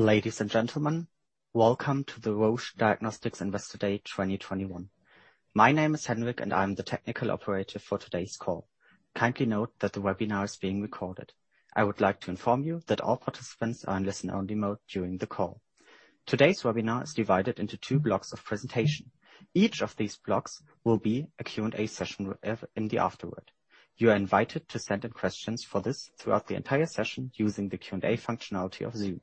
Ladies and gentlemen, welcome to the Roche Diagnostics Investor Day 2021. My name is Henrik. I'm the technical operator for today's call. Kindly note that the webinar is being recorded. I would like to inform you that all participants are in listen-only mode during the call. Today's webinar is divided into two blocks of presentation. Each of these blocks will be a Q&A session in the afterward. You are invited to send in questions for this throughout the entire session using the Q&A functionality of Zoom.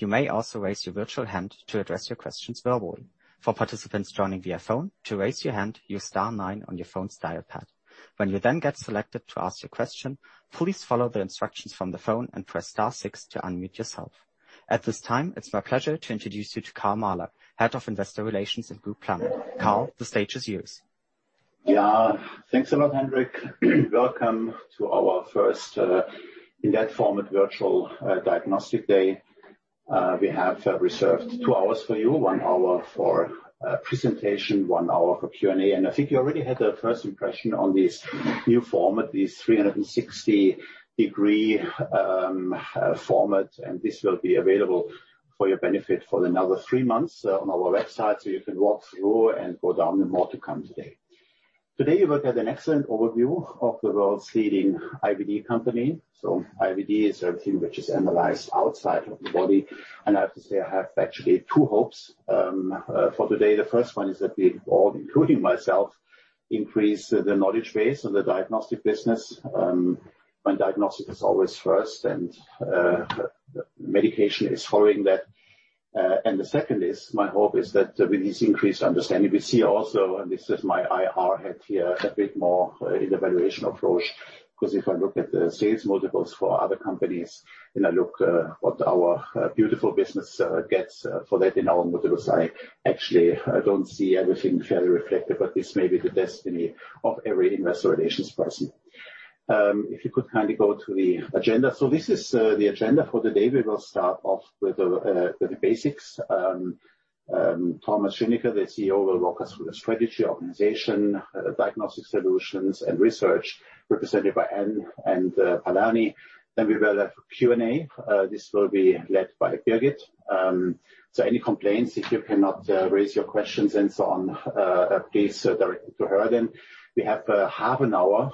You may also raise your virtual hand to address your questions verbally. For participants joining via phone, to raise your hand, use star 9 on your phone's dial pad. When you then get selected to ask your question, please follow the instructions from the phone and press star six to unmute yourself. At this time, it's my pleasure to introduce you to Karl Mahler, Head of Investor Relations and Group Planning. Karl, the stage is yours. Yeah, thanks a lot, Henrik. Welcome to our first in that format, virtual Diagnostic Day. We have reserved 2 hours for you, 1 hour for presentation, 1 hour for Q&A. I think you already had a first impression on this new format, this 360-degree format, and this will be available for your benefit for another 3 months on our website, so you can walk through and go down the more to come today. Today, you will get an excellent overview of the world's leading IVD company. IVD is everything which is analyzed outside of the body, and I have to say I have actually 2 hopes for today. The first one is that we all, including myself, increase the knowledge base in the diagnostic business. Diagnostic is always first, and medication is following that. The second is, my hope is that with this increased understanding, we see also, and this is my IR head here, a bit more in the valuation approach, because if I look at the sales multiples for other companies, and I look, what our beautiful business gets for that in our multiples, I actually, I don't see everything fairly reflected, but this may be the destiny of every investor relations person. If you could kindly go to the agenda. This is the agenda for the day. We will start off with the basics. Thomas Schinecker, the CEO, will walk us through the strategy, organization, Diagnostic Solutions and research represented by Ann and Palani. We will have Q&A. This will be led by Birgit. Any complaints, if you cannot raise your questions and so on, please direct it to her. We have a half an hour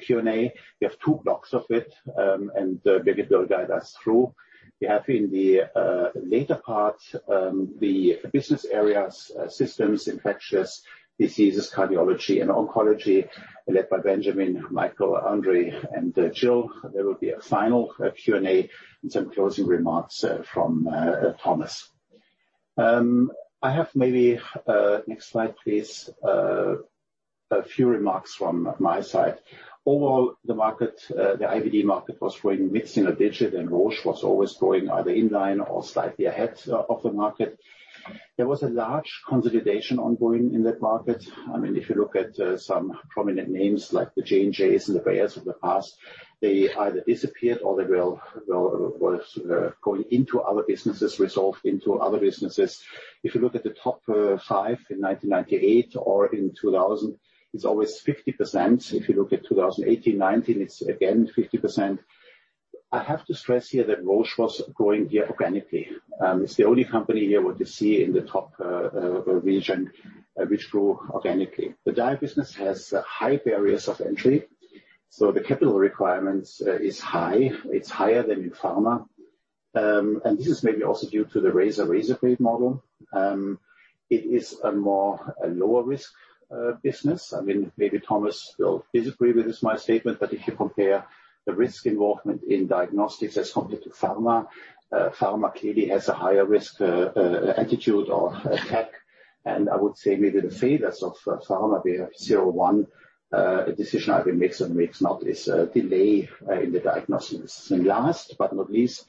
Q&A. We have two blocks of it, Birgit will guide us through. We have in the later part the business areas, systems, infectious diseases, cardiology and oncology, led by Benjamin, Michael, Andre, and Jill. There will be a final Q&A and some closing remarks from Thomas. I have maybe next slide, please, a few remarks from my side. Overall, the market, the IVD market was growing mid-single digit. Roche was always growing either in line or slightly ahead of the market. There was a large consolidation ongoing in that market. I mean, if you look at some prominent names like the J&J and the Bayer of the past, they either disappeared or they will, well, going into other businesses, resolved into other businesses. If you look at the top five in 1998 or in 2000, it's always 50%. If you look at 2018, 2019, it's again, 50%. I have to stress here that Roche was growing here organically. It's the only company here what you see in the top region which grew organically. The dive business has high barriers of entry, so the capital requirements is high. It's higher than in pharma. This is maybe also due to the razor blade model. It is a more, a lower risk business. I mean, maybe Thomas will disagree with this, my statement, but if you compare the risk involvement in diagnostics as compared to pharma clearly has a higher risk attitude or attack. I would say maybe the failures of pharma, we have zero one decision I will make some weeks now is delay in the diagnosis. Last but not least,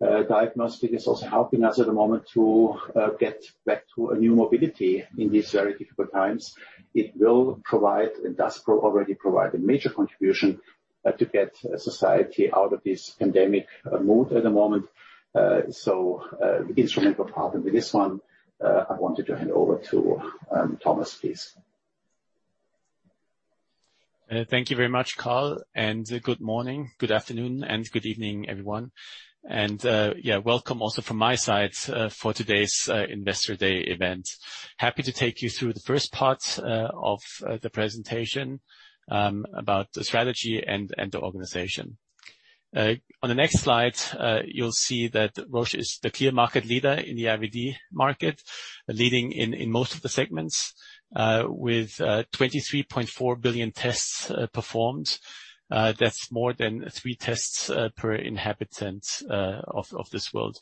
diagnostic is also helping us at the moment to get back to a new mobility in these very difficult times. It will provide, and does already provide a major contribution to get society out of this pandemic mode at the moment. Instrumental problem with this one, I wanted to hand over to Thomas, please. Thank you very much, Karl, good morning, good afternoon, and good evening, everyone. Yeah, welcome also from my side for today's Investor Day event. Happy to take you through the first part of the presentation about the strategy and the organization. On the next slide, you'll see that Roche is the clear market leader in the IVD market, leading in most of the segments with 23.4 billion tests performed. That's more than three tests per inhabitant of this world.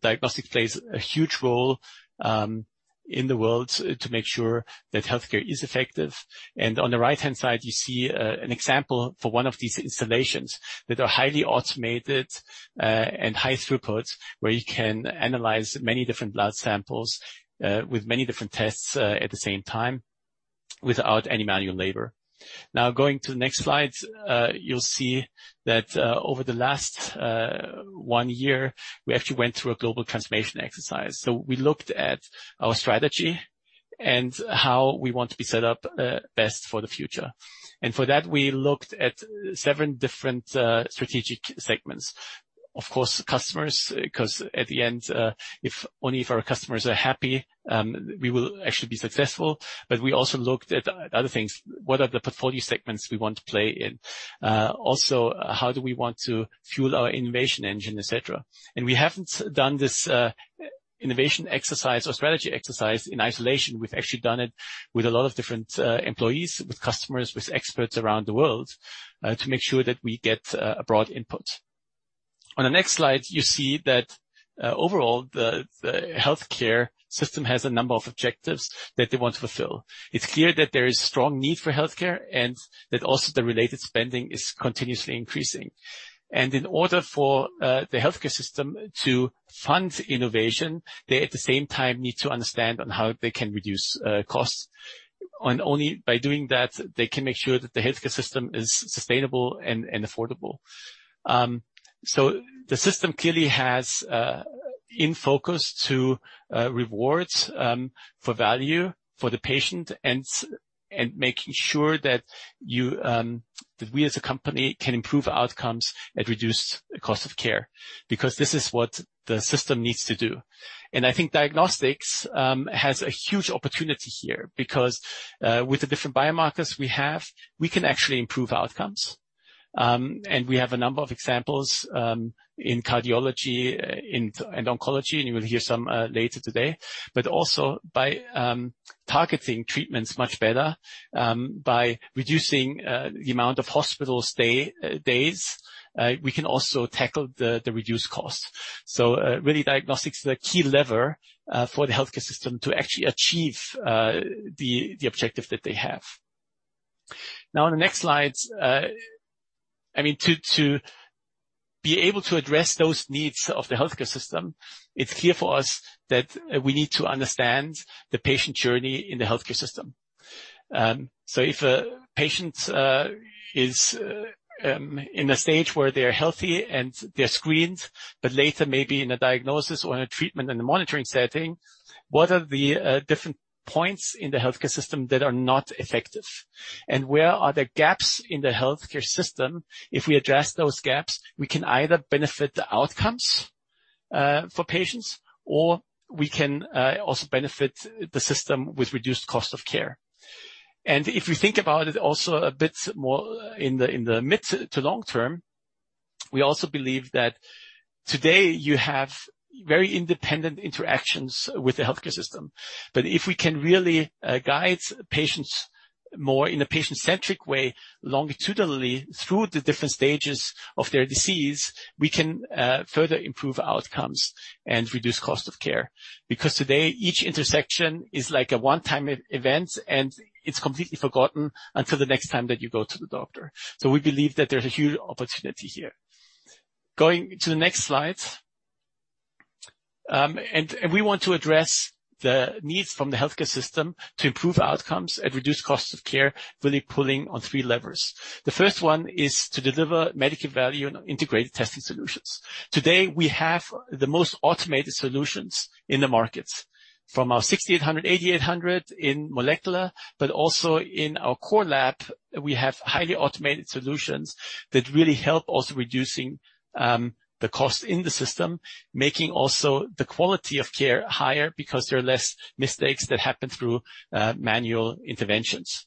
Diagnostics plays a huge role in the world to make sure that healthcare is effective. On the right-hand side, you see an example for one of these installations that are highly automated and high throughput, where you can analyze many different blood samples with many different tests at the same time without any manual labor. Going to the next slide, you'll see that over the last one year, we actually went through a global transformation exercise. We looked at our strategy and how we want to be set up best for the future. For that, we looked at seven different strategic segments. Of course, customers, because at the end, if only if our customers are happy, we will actually be successful. We also looked at other things. What are the portfolio segments we want to play in? Also, how do we want to fuel our innovation engine, et cetera? We haven't done this innovation exercise or strategy exercise in isolation. We've actually done it with a lot of different employees, with customers, with experts around the world, to make sure that we get a broad input. On the next slide, you see that overall, the healthcare system has a number of objectives that they want to fulfill. It's clear that there is strong need for healthcare and that also the related spending is continuously increasing. In order for the healthcare system to fund innovation, they, at the same time, need to understand on how they can reduce costs, and only by doing that, they can make sure that the healthcare system is sustainable and affordable. The system clearly has in focus to rewards for value for the patient and making sure that you, that we as a company, can improve outcomes and reduce cost of care, because this is what the system needs to do. I think diagnostics has a huge opportunity here because with the different biomarkers we have, we can actually improve outcomes. We have a number of examples in cardiology, and oncology, and you will hear some later today. Also by targeting treatments much better, by reducing the amount of hospital stay days, we can also tackle the reduced cost. Really, diagnostics is a key lever for the healthcare system to actually achieve the objective that they have. On the next slide. I mean, to be able to address those needs of the healthcare system, it's clear for us that we need to understand the patient journey in the healthcare system. If a patient is in a stage where they are healthy and they're screened, but later maybe in a diagnosis or in a treatment in a monitoring setting, what are the different points in the healthcare system that are not effective? And where are the gaps in the healthcare system? If we address those gaps, we can either benefit the outcomes, for patients, or we can, also benefit the system with reduced cost of care. If you think about it also a bit more in the, in the mid to long term, we also believe that today you have very independent interactions with the healthcare system. If we can really, guide patients more in a patient-centric way, longitudinally through the different stages of their disease, we can, further improve outcomes and reduce cost of care. Because today, each intersection is like a one-time e-event, and it's completely forgotten until the next time that you go to the doctor. We believe that there's a huge opportunity here. Going to the next slide. We want to address the needs from the healthcare system to improve outcomes and reduce costs of care, really pulling on three levers. The first one is to deliver medical value and integrated testing solutions. Today, we have the most automated solutions in the markets, from our cobas 6800, cobas 8800 in molecular, but also in our core lab, we have highly automated solutions that really help also reducing the cost in the system, making also the quality of care higher because there are less mistakes that happen through manual interventions.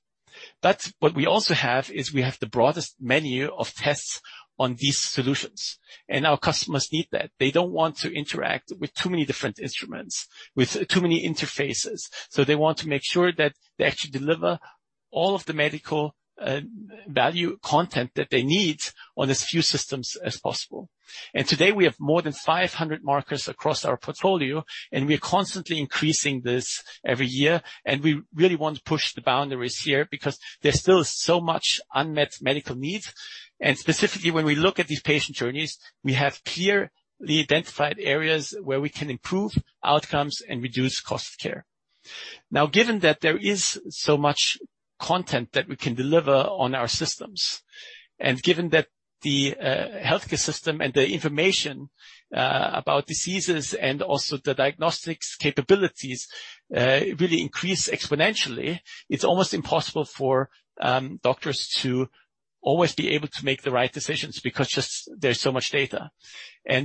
What we also have is we have the broadest menu of tests on these solutions. Our customers need that. They don't want to interact with too many different instruments, with too many interfaces. They want to make sure that they actually deliver all of the medical value content that they need on as few systems as possible. Today, we have more than 500 markers across our portfolio, and we are constantly increasing this every year. We really want to push the boundaries here because there's still so much unmet medical needs. Specifically, when we look at these patient journeys, we have clearly identified areas where we can improve outcomes and reduce cost of care. Now, given that there is so much content that we can deliver on our systems, and given that the healthcare system and the information about diseases and also the diagnostics capabilities really increase exponentially, it's almost impossible for doctors to always be able to make the right decisions because just there's so much data.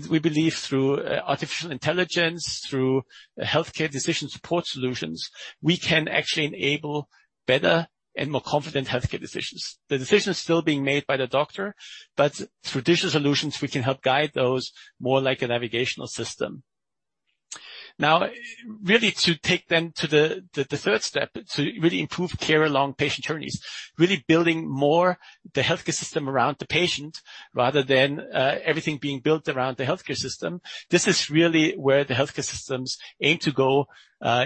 We believe through artificial intelligence, through healthcare decision support solutions, we can actually enable better and more confident healthcare decisions. The decision is still being made by the doctor, but through digital solutions, we can help guide those more like a navigational system. Now, really to take them to the third step, to really improve care along patient journeys, really building more the healthcare system around the patient rather than everything being built around the healthcare system. This is really where the healthcare systems aim to go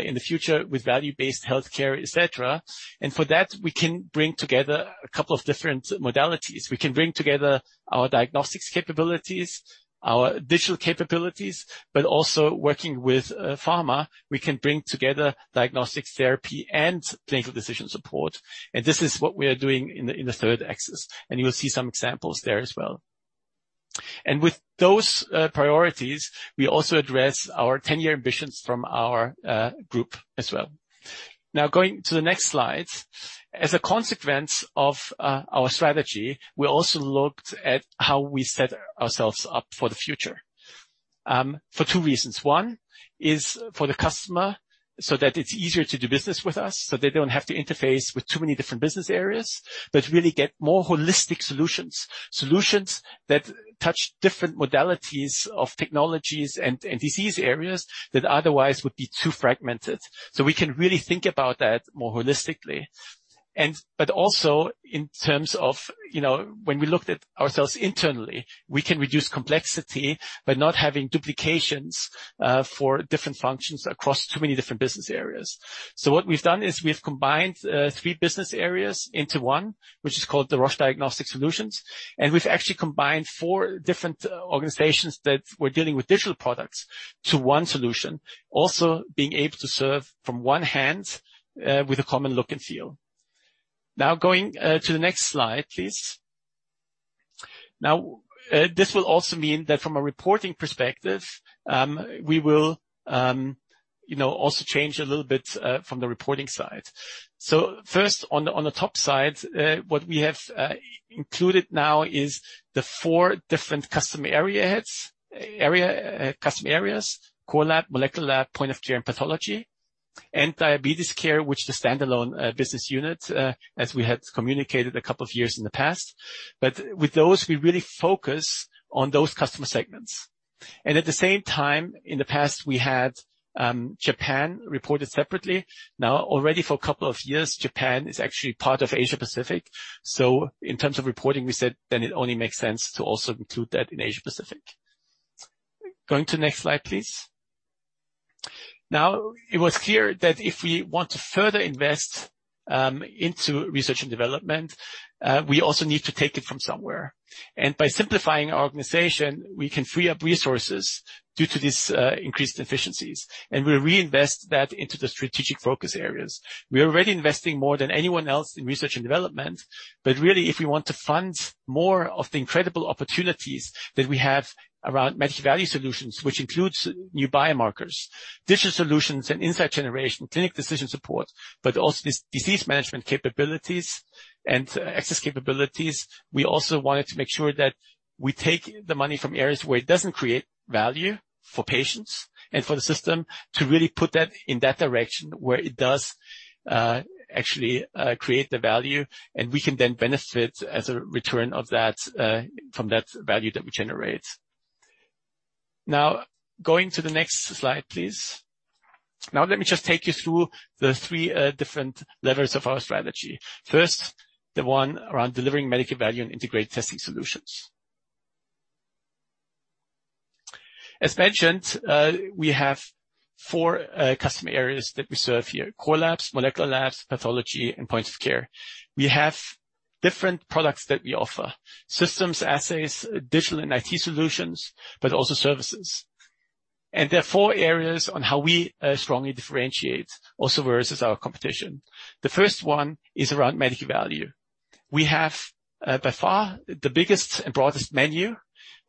in the future with value-based healthcare, et cetera. For that, we can bring together a couple of different modalities. We can bring together our diagnostics capabilities, our digital capabilities, but also working with pharma, we can bring together diagnostics, therapy and clinical decision support. This is what we are doing in the, in the third axis, and you will see some examples there as well. With those priorities, we also address our 10-year ambitions from our group as well. Now going to the next slide. As a consequence of our strategy, we also looked at how we set ourselves up for the future, for two reasons. One is for the customer, so that it's easier to do business with us, so they don't have to interface with too many different business areas, but really get more holistic solutions. Solutions that touch different modalities of technologies and disease areas that otherwise would be too fragmented. We can really think about that more holistically. But also in terms of, you know, when we looked at ourselves internally, we can reduce complexity by not having duplications for different functions across too many different business areas. What we've done is we've combined 3 business areas into 1, which is called the Roche Diagnostic Solutions, and we've actually combined four different organizations that were dealing with digital products to one solution. Also being able to serve from one hand with a common look and feel. Going to the next slide, please. This will also mean that from a reporting perspective, we will, you know, also change a little bit from the reporting side. First on the, on the top side, what we have included now is the four different customer area heads, area, customer areas, core lab, molecular lab, point of care, and pathology, and diabetes care, which is a standalone business unit, as we had communicated a couple of years in the past. With those, we really focus on those customer segments. At the same time, in the past, we had Japan reported separately. Already for a couple of years, Japan is actually part of Asia Pacific. In terms of reporting, we said then it only makes sense to also include that in Asia Pacific. Going to the next slide, please. It was clear that if we want to further invest into research and development, we also need to take it from somewhere. By simplifying our organization, we can free up resources due to these increased efficiencies. We reinvest that into the strategic focus areas. We are already investing more than anyone else in research and development. Really, if we want to fund more of the incredible opportunities that we have around medical value solutions, which includes new biomarkers, digital solutions and insight generation, clinic decision support, but also disease management capabilities and access capabilities, we also wanted to make sure that we take the money from areas where it doesn't create value for patients and for the system, to really put that in that direction, where it does actually create the value, and we can then benefit as a return of that from that value that we generate. Going to the next slide, please. Let me just take you through the three different levels of our strategy. First, the one around delivering medical value and integrated testing solutions. As mentioned, we have four customer areas that we serve here, core labs, molecular labs, pathology, and point of care. We have different products that we offer, systems, assays, digital and IT solutions, but also services. There are four areas on how we strongly differentiate, also versus our competition. The first one is around medical value. We have, by far, the biggest and broadest menu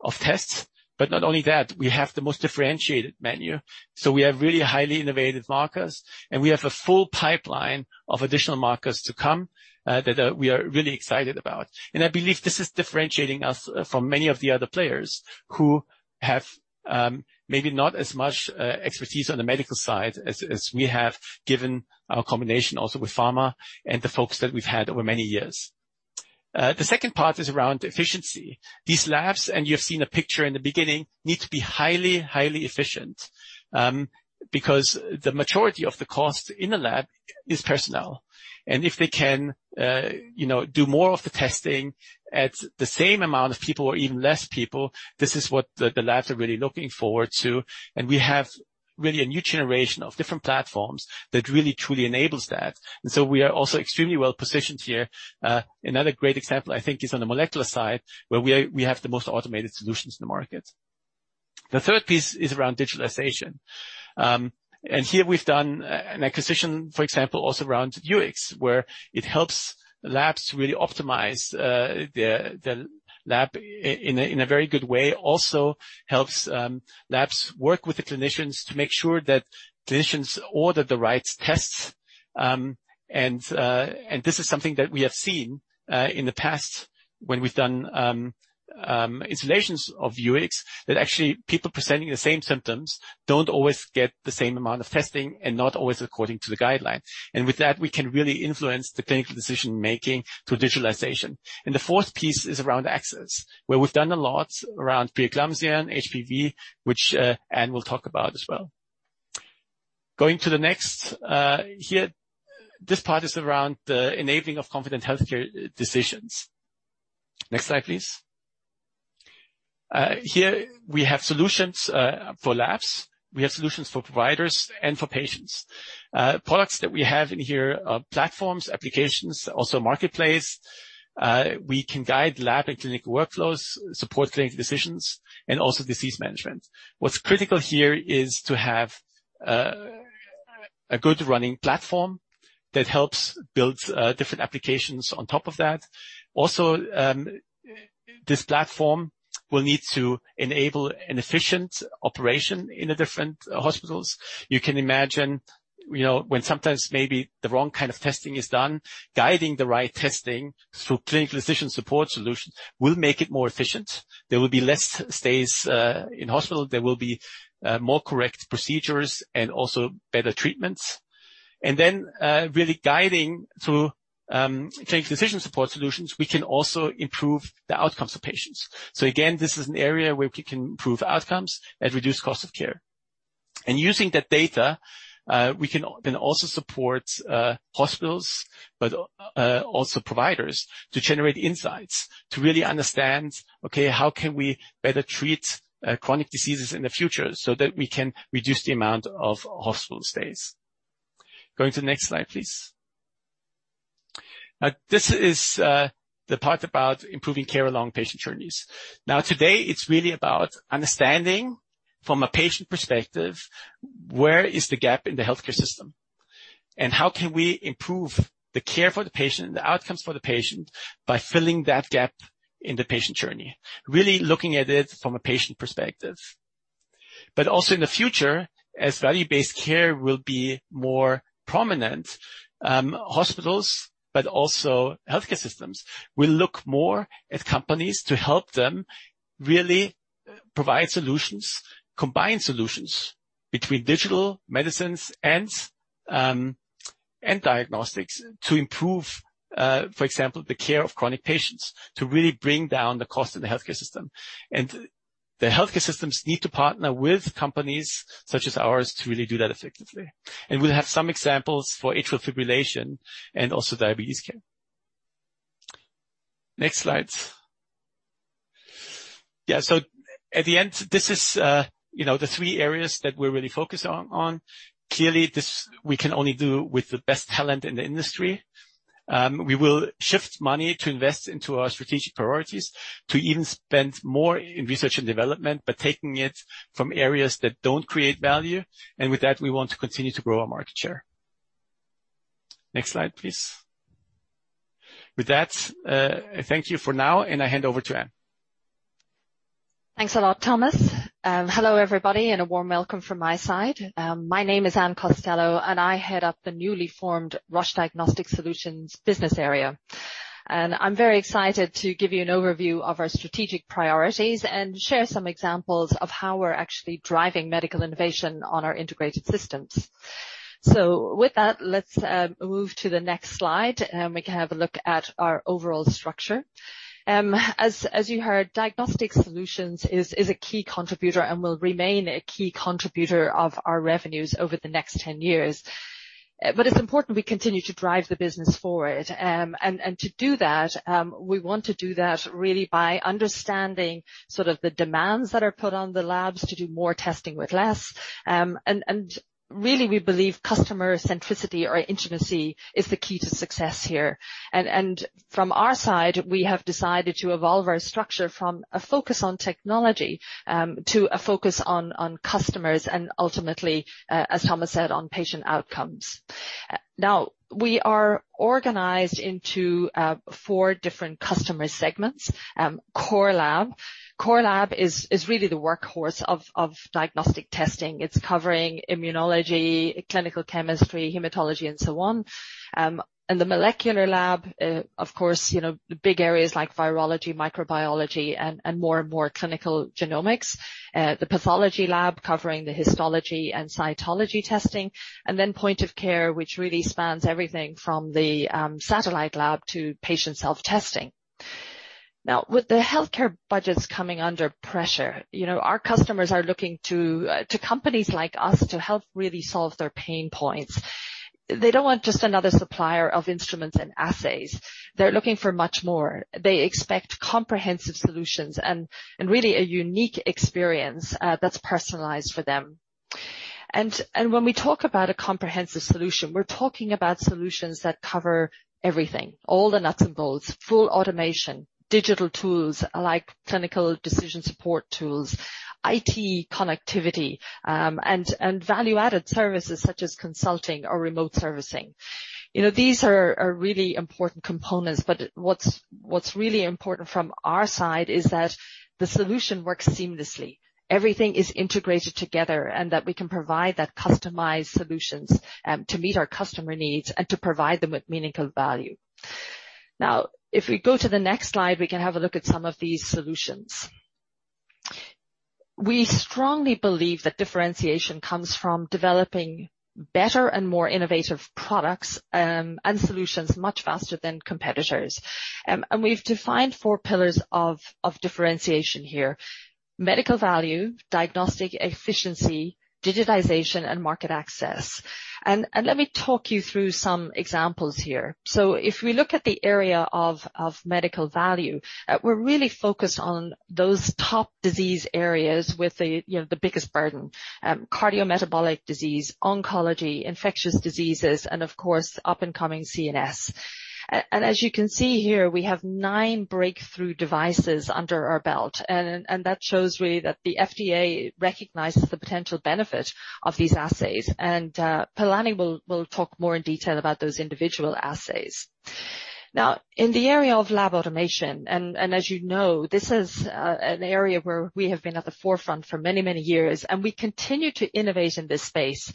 of tests, but not only that, we have the most differentiated menu. We have really highly innovative markers, and we have a full pipeline of additional markers to come that we are really excited about. I believe this is differentiating us from many of the other players who have maybe not as much expertise on the medical side as we have, given our combination also with pharma and the focus that we've had over many years. The second part is around efficiency. These labs, and you have seen a picture in the beginning, need to be highly efficient because the majority of the cost in a lab is personnel. If they can, you know, do more of the testing at the same amount of people or even less people, this is what the labs are really looking forward to. We have really a new generation of different platforms that really, truly enables that. So we are also extremely well positioned here. Another great example, I think, is on the molecular side, where we have the most automated solutions in the market. The third piece is around digitalization. Here we've done an acquisition, for example, also around Viewics, where it helps labs really optimize the lab in a very good way, also helps labs work with the clinicians to make sure that clinicians order the right tests. This is something that we have seen in the past when we've done installations of Viewics, that actually people presenting the same symptoms don't always get the same amount of testing and not always according to the guidelines. With that, we can really influence the clinical decision-making through digitalization. The fourth piece is around access, where we've done a lot around preeclampsia, HPV, which Ann will talk about as well. Going to the next, here, this part is around the enabling of confident healthcare decisions. Next slide, please. Here we have solutions for labs, we have solutions for providers and for patients. Products that we have in here are platforms, applications, also marketplace. We can guide lab and clinic workflows, support clinical decisions, and also disease management. What's critical here is to have a good running platform that helps build different applications on top of that. This platform will need to enable an efficient operation in the different hospitals. You can imagine, you know, when sometimes maybe the wrong kind of testing is done, guiding the right testing through clinical decision support solutions will make it more efficient. There will be less stays in hospital. There will be more correct procedures and also better treatments. Then, really guiding through clinical decision support solutions, we can also improve the outcomes of patients. Again, this is an area where we can improve outcomes and reduce cost of care. Using that data, we can then also support hospitals, but also providers to generate insights, to really understand, okay, how can we better treat chronic diseases in the future so that we can reduce the amount of hospital stays? Going to the next slide, please. This is the part about improving care along patient journeys. Today, it's really about understanding from a patient perspective, where is the gap in the healthcare system, and how can we improve the care for the patient and the outcomes for the patient by filling that gap in the patient journey? Really looking at it from a patient perspective. Also in the future, as value-based care will be more prominent, hospitals, but also healthcare systems, will look more at companies to help them really provide solutions, combine solutions between digital medicines and diagnostics to improve, for example, the care of chronic patients, to really bring down the cost of the healthcare system. The healthcare systems need to partner with companies such as ours, to really do that effectively. We'll have some examples for atrial fibrillation and also diabetes care. Next slide. Yeah, so at the end, this is, you know, the three areas that we're really focused on. Clearly, this we can only do with the best talent in the industry. We will shift money to invest into our strategic priorities, to even spend more in research and development, but taking it from areas that don't create value. With that, we want to continue to grow our market share. Next slide, please. With that, I thank you for now, I hand over to Ann. Thanks a lot, Thomas. Hello, everybody, a warm welcome from my side. My name is Ann Costello, I head up the newly formed Roche Diagnostic Solutions business area. I'm very excited to give you an overview of our strategic priorities and share some examples of how we're actually driving medical innovation on our integrated systems. With that, let's move to the next slide, we can have a look at our overall structure. As you heard, Diagnostic Solutions is a key contributor and will remain a key contributor of our revenues over the next 10 years. It's important we continue to drive the business forward. To do that, we want to do that really by understanding sort of the demands that are put on the labs to do more testing with less. Really, we believe customer centricity or intimacy is the key to success here. From our side, we have decided to evolve our structure from a focus on technology, to a focus on customers and ultimately, as Thomas said, on patient outcomes. Now, we are organized into four different customer segments. Core lab. Core lab is really the workhorse of diagnostic testing. It's covering immunology, clinical chemistry, hematology, and so on. The molecular lab, of course, you know, the big areas like virology, microbiology, and more and more clinical genomics. The pathology lab covering the histology and cytology testing, and then point of care, which really spans everything from the satellite lab to patient self-testing. With the healthcare budgets coming under pressure, you know, our customers are looking to companies like us to help really solve their pain points. They don't want just another supplier of instruments and assays. They're looking for much more. They expect comprehensive solutions and really a unique experience that's personalized for them. When we talk about a comprehensive solution, we're talking about solutions that cover everything, all the nuts and bolts, full automation, digital tools like clinical decision support tools, IT connectivity, and value-added services such as consulting or remote servicing. You know, these are really important components, but what's really important from our side is that the solution works seamlessly. Everything is integrated together, and that we can provide that customized solutions to meet our customer needs and to provide them with meaningful value. If we go to the next slide, we can have a look at some of these solutions. We strongly believe that differentiation comes from developing better and more innovative products and solutions much faster than competitors. We've defined four pillars of differentiation here: medical value, diagnostic efficiency, digitization, and market access. Let me talk you through some examples here. If we look at the area of medical value, we're really focused on those top disease areas with, you know, the biggest burden, cardiometabolic disease, oncology, infectious diseases, and of course, up-and-coming CNS. As you can see here, we have 9 breakthrough devices under our belt, and that shows really that the FDA recognizes the potential benefit of these assays, and Palani will talk more in detail about those individual assays. In the area of lab automation, and as you know, this is an area where we have been at the forefront for many, many years, and we continue to innovate in this space.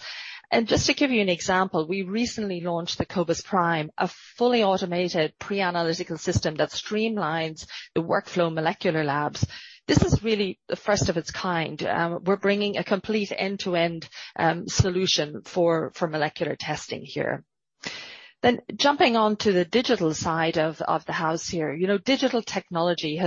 Just to give you an example, we recently launched the cobas prime, a fully automated Pre-analytical System that streamlines the workflow molecular labs. This is really the first of its kind. We're bringing a complete end-to-end solution for molecular testing here. Jumping on to the digital side of the house here. You know, digital technology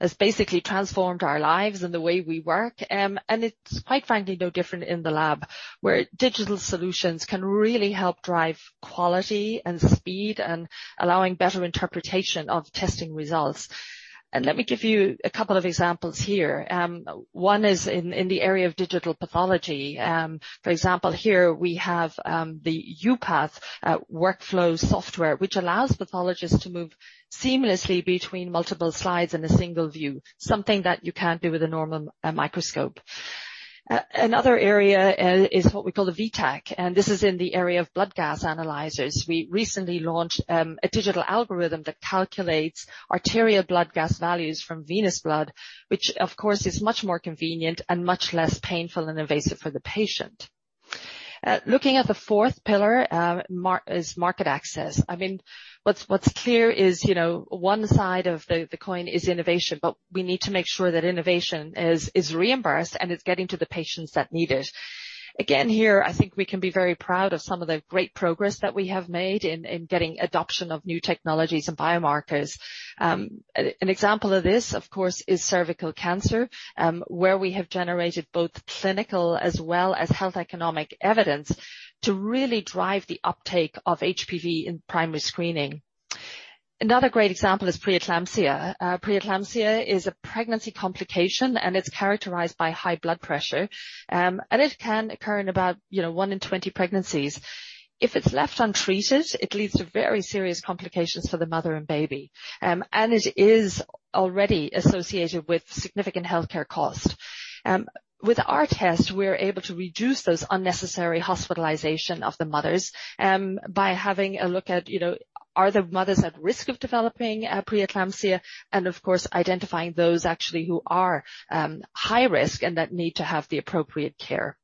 has basically transformed our lives and the way we work, and it's quite frankly, no different in the lab, where digital solutions can really help drive quality and speed and allowing better interpretation of testing results. Let me give you a couple of examples here. One is in the area of digital pathology. For example, here we have the uPath workflow software, which allows pathologists to move seamlessly between multiple slides in a single view, something that you can't do with a normal microscope. Another area is what we call the v-TAC. This is in the area of blood gas analyzers. We recently launched a digital algorithm that calculates arterial blood gas values from venous blood, which, of course, is much more convenient and much less painful and invasive for the patient. Looking at the fourth pillar is market access. I mean, what's clear is, you know, one side of the coin is innovation. We need to make sure that innovation is reimbursed and is getting to the patients that need it. Here, I think we can be very proud of some of the great progress that we have made in getting adoption of new technologies and biomarkers. An example of this, of course, is cervical cancer, where we have generated both clinical as well as health economic evidence to really drive the uptake of HPV in primary screening. Another great example is preeclampsia. Preeclampsia is a pregnancy complication, and it's characterized by high blood pressure, and it can occur in about, you know, 1 in 20 pregnancies. If it's left untreated, it leads to very serious complications for the mother and baby, and it is already associated with significant healthcare cost. With our test, we're able to reduce those unnecessary hospitalization of the mothers, by having a look at, you know, are the mothers at risk of developing preeclampsia, and of course, identifying those actually who are high risk and that need to have the appropriate care.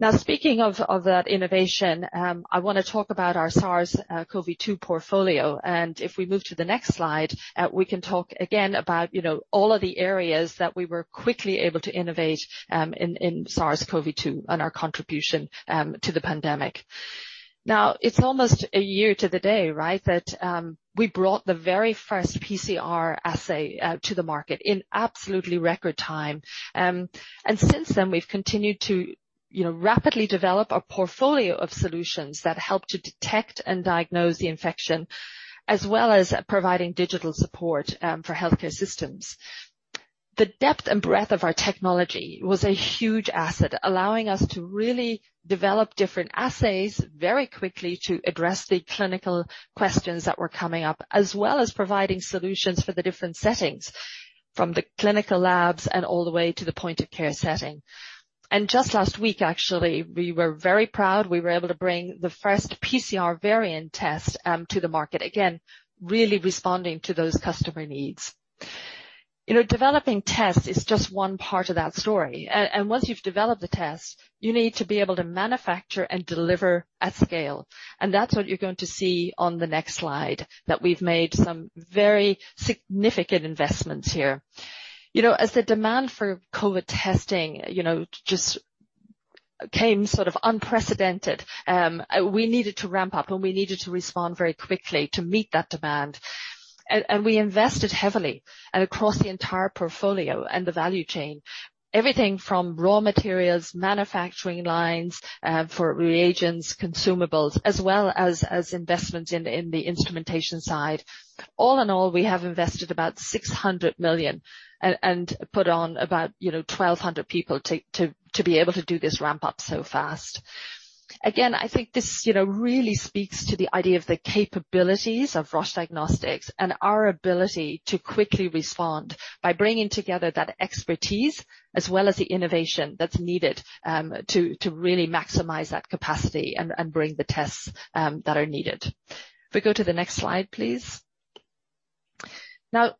Now, speaking of that innovation, I wanna talk about our SARS-CoV-2 portfolio, and if we move to the next slide, we can talk again about, you know, all of the areas that we were quickly able to innovate in SARS-CoV-2 and our contribution to the pandemic. Now, it's almost 1 year to the day, right, that we brought the very first PCR assay out to the market in absolutely record time. Since then, we've continued to, you know, rapidly develop a portfolio of solutions that help to detect and diagnose the infection, as well as providing digital support for healthcare systems. The depth and breadth of our technology was a huge asset, allowing us to really develop different assays very quickly to address the clinical questions that were coming up, as well as providing solutions for the different settings, from the clinical labs and all the way to the point of care setting. Just last week, actually, we were very proud, we were able to bring the first PCR variant test to the market. Again, really responding to those customer needs. You know, developing tests is just one part of that story. Once you've developed the test, you need to be able to manufacture and deliver at scale, and that's what you're going to see on the next slide, that we've made some very significant investments here. You know, as the demand for COVID testing, you know, just came sort of unprecedented, we needed to ramp up, and we needed to respond very quickly to meet that demand. We invested heavily and across the entire portfolio and the value chain. Everything from raw materials, manufacturing lines, for reagents, consumables, as well as investments in the instrumentation side. All in all, we have invested about 600 million and put on about, you know, 1,200 people to be able to do this ramp up so fast. I think this, you know, really speaks to the idea of the capabilities of Roche Diagnostics and our ability to quickly respond by bringing together that expertise as well as the innovation that's needed to really maximize that capacity and bring the tests that are needed. If we go to the next slide, please.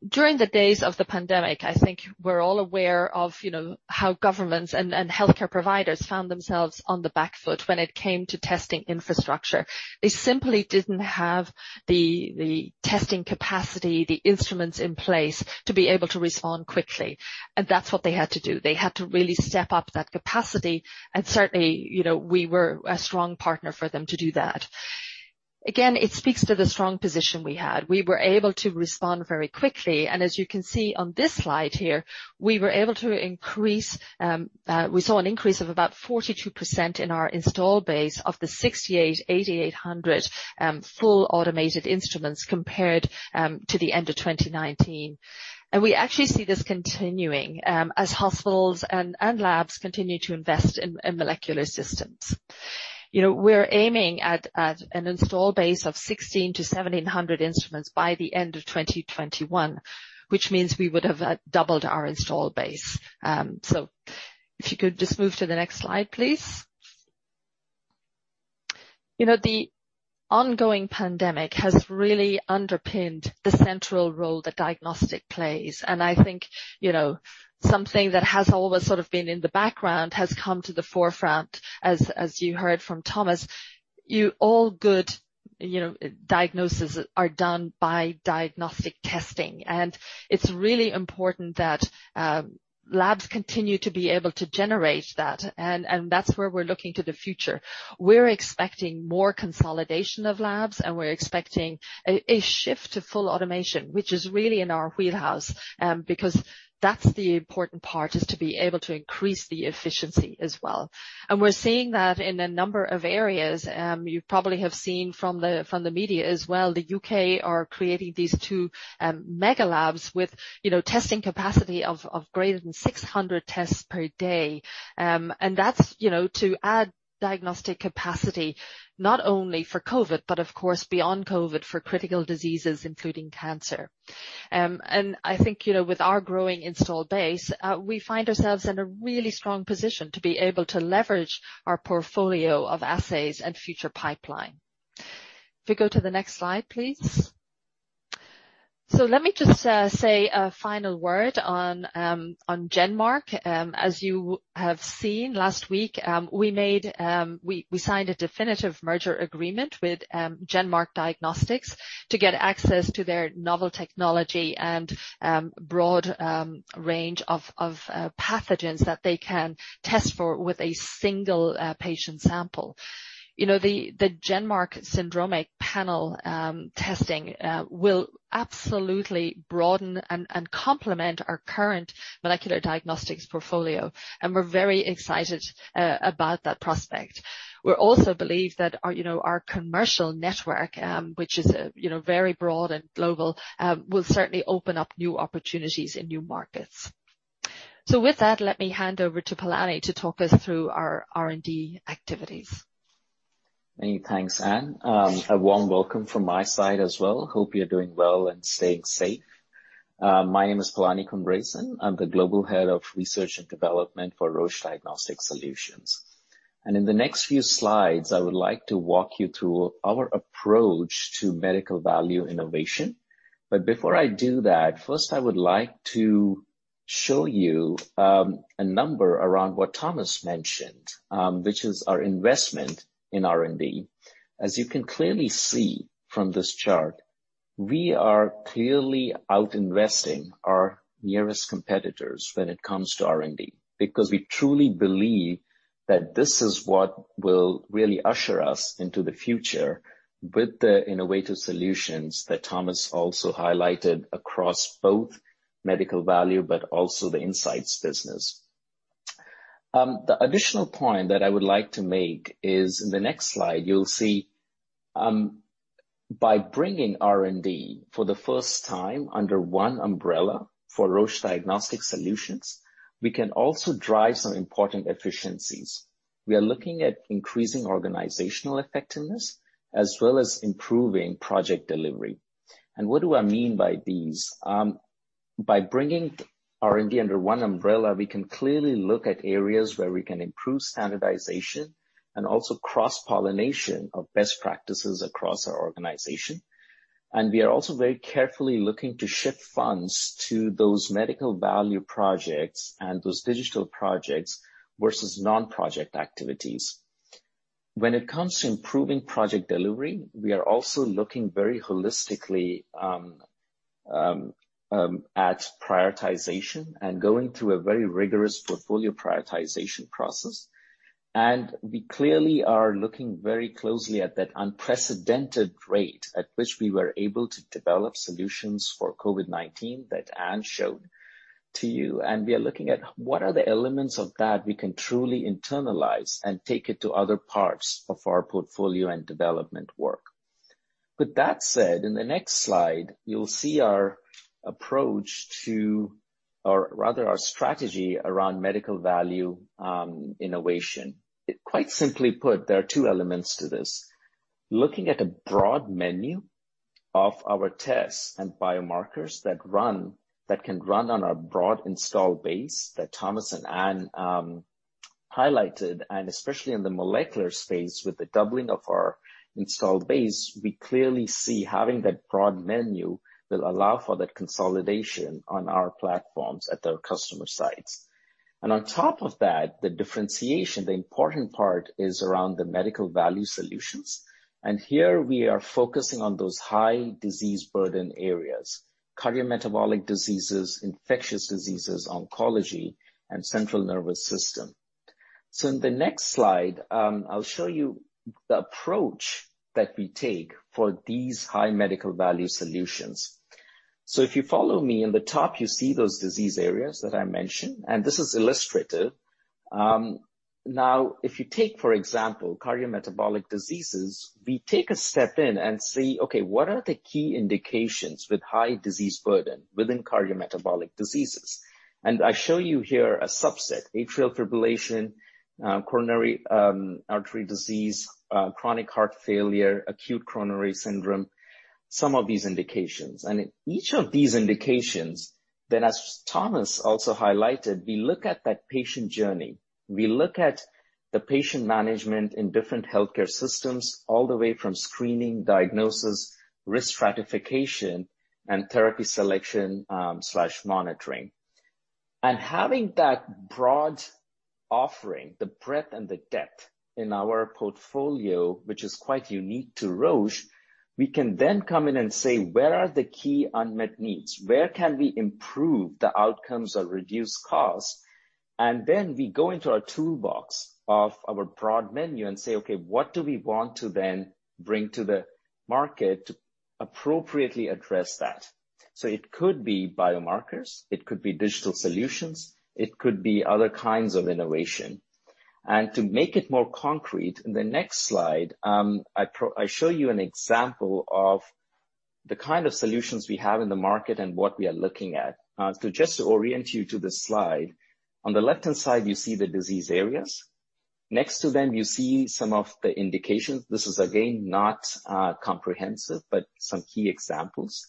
During the days of the pandemic, I think we're all aware of, you know, how governments and healthcare providers found themselves on the back foot when it came to testing infrastructure. They simply didn't have the testing capacity, the instruments in place to be able to respond quickly, and that's what they had to do. They had to really step up that capacity, and certainly, you know, we were a strong partner for them to do that. It speaks to the strong position we had. We were able to respond very quickly, and as you can see on this slide here, We saw an increase of about 42% in our install base of the 6800, 8800 full automated instruments compared to the end of 2019. We actually see this continuing as hospitals and labs continue to invest in molecular systems. You know, we're aiming at an install base of 1,600-1,700 instruments by the end of 2021, which means we would have doubled our install base. If you could just move to the next slide, please. You know, the ongoing pandemic has really underpinned the central role that diagnostic plays. I think, you know, something that has always sort of been in the background has come to the forefront, as you heard from Thomas. All good, you know, diagnoses are done by diagnostic testing, and it's really important that labs continue to be able to generate that, and that's where we're looking to the future. We're expecting more consolidation of labs, and we're expecting a shift to full automation, which is really in our wheelhouse, because that's the important part, is to be able to increase the efficiency as well. We're seeing that in a number of areas. You probably have seen from the media as well, the U.K. are creating these two mega labs with, you know, testing capacity of greater than 600 tests per day. That's, you know, to add diagnostic capacity, not only for COVID, but of course, beyond COVID, for critical diseases, including cancer. I think, you know, with our growing install base, we find ourselves in a really strong position to be able to leverage our portfolio of assays and future pipeline. If you go to the next slide, please. Let me just say a final word on GenMark. As you have seen, last week, we signed a definitive merger agreement with GenMark Diagnostics to get access to their novel technology and broad range of pathogens that they can test for with a single patient sample. You know, the GenMark syndromic panel testing will absolutely broaden and complement our current molecular diagnostics portfolio, and we're very excited about that prospect. We also believe that our, you know, our commercial network, which is, you know, very broad and global, will certainly open up new opportunities in new markets. With that, let me hand over to Palani to talk us through our R&D activities. Many thanks, Ann. A warm welcome from my side as well. Hope you're doing well and staying safe. My name is Palani Kumaresan. I'm the Global Head of Research and Development for Roche Diagnostic Solutions. In the next few slides, I would like to walk you through our approach to medical value innovation. Before I do that, first, I would like to show you a number around what Thomas mentioned, which is our investment in R&D. As you can clearly see from this chart, we are clearly out-investing our nearest competitors when it comes to R&D, because we truly believe that this is what will really usher us into the future with the innovative solutions that Thomas also highlighted across both medical value, but also the insights business. The additional point that I would like to make is in the next slide, you'll see, by bringing R&D for the first time under one umbrella for Roche Diagnostic Solutions, we can also drive some important efficiencies. We are looking at increasing organizational effectiveness as well as improving project delivery. What do I mean by these? By bringing R&D under one umbrella, we can clearly look at areas where we can improve standardization and also cross-pollination of best practices across our organization. We are also very carefully looking to shift funds to those medical value projects and those digital projects versus non-project activities. When it comes to improving project delivery, we are also looking very holistically at prioritization and going through a very rigorous portfolio prioritization process. We clearly are looking very closely at that unprecedented rate at which we were able to develop solutions for COVID-19 that Ann showed to you. We are looking at what are the elements of that we can truly internalize and take it to other parts of our portfolio and development work. With that said, in the next slide, you'll see our strategy around medical value innovation. Quite simply put, there are two elements to this. Looking at a broad menu of our tests and biomarkers that can run on our broad install base that Thomas and Ann highlighted, and especially in the molecular space, with the doubling of our installed base, we clearly see having that broad menu will allow for that consolidation on our platforms at our customer sites. On top of that, the differentiation, the important part, is around the medical value solutions. Here we are focusing on those high disease burden areas: cardiometabolic diseases, infectious diseases, oncology, and central nervous system. In the next slide, I'll show you the approach that we take for these high medical value solutions. If you follow me, in the top, you see those disease areas that I mentioned, and this is illustrative. Now, if you take, for example, cardiometabolic diseases, we take a step in and see, okay, what are the key indications with high disease burden within cardiometabolic diseases? I show you here a subset: atrial fibrillation, coronary artery disease, chronic heart failure, acute coronary syndrome, some of these indications. In each of these indications as Thomas also highlighted, we look at that patient journey. We look at the patient management in different healthcare systems, all the way from screening, diagnosis, risk stratification, and therapy selection, slash monitoring. Having that broad offering, the breadth and the depth in our portfolio, which is quite unique to Roche, we can then come in and say, "Where are the key unmet needs? Where can we improve the outcomes or reduce costs?" We go into our toolbox of our broad menu and say, "Okay, what do we want to then bring to the market to appropriately address that?" It could be biomarkers, it could be digital solutions, it could be other kinds of innovation. To make it more concrete, in the next slide, I show you an example of the kind of solutions we have in the market and what we are looking at. Just to orient you to this slide, on the left-hand side, you see the disease areas. Next to them, you see some of the indications. This is, again, not comprehensive, but some key examples.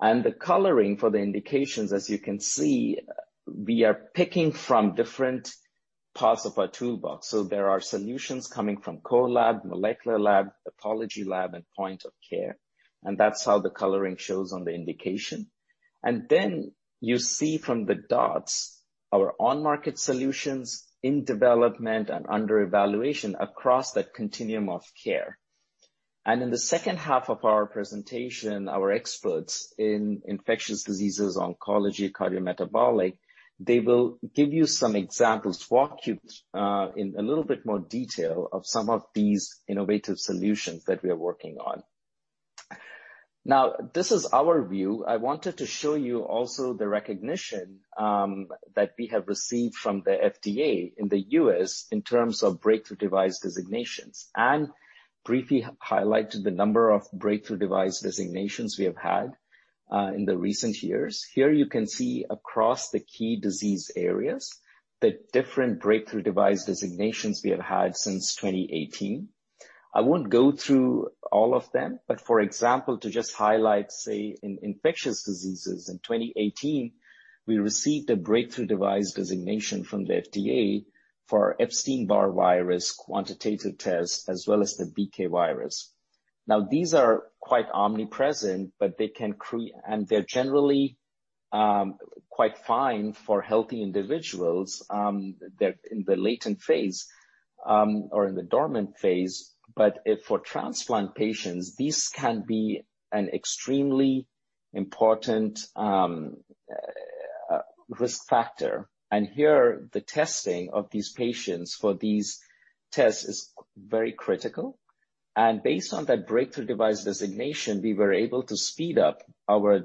The coloring for the indications, as you can see, we are picking from different parts of our toolbox. There are solutions coming from core lab, molecular lab, pathology lab, and point of care, and that's how the coloring shows on the indication. You see from the dots, our on-market solutions in development and under evaluation across that continuum of care. In the second half of our presentation, our experts in infectious diseases, oncology, cardiometabolic, they will give you some examples, walk you in a little bit more detail of some of these innovative solutions that we are working on. Now, this is our view. I wanted to show you also the recognition that we have received from the FDA in the U.S. in terms of breakthrough device designations, and briefly highlight the number of breakthrough device designations we have had in the recent years. Here you can see across the key disease areas, the different breakthrough device designations we have had since 2018. I won't go through all of them, for example, to just highlight, say, in infectious diseases, in 2018, we received a breakthrough device designation from the FDA for our Epstein-Barr virus, quantitative test, as well as the BK virus. Now, these are quite omnipresent, but they can and they're generally quite fine for healthy individuals that in the latent phase or in the dormant phase. If for transplant patients, these can be an extremely important risk factor. Here, the testing of these patients for these tests is very critical. Based on that Breakthrough Device designation, we were able to speed up our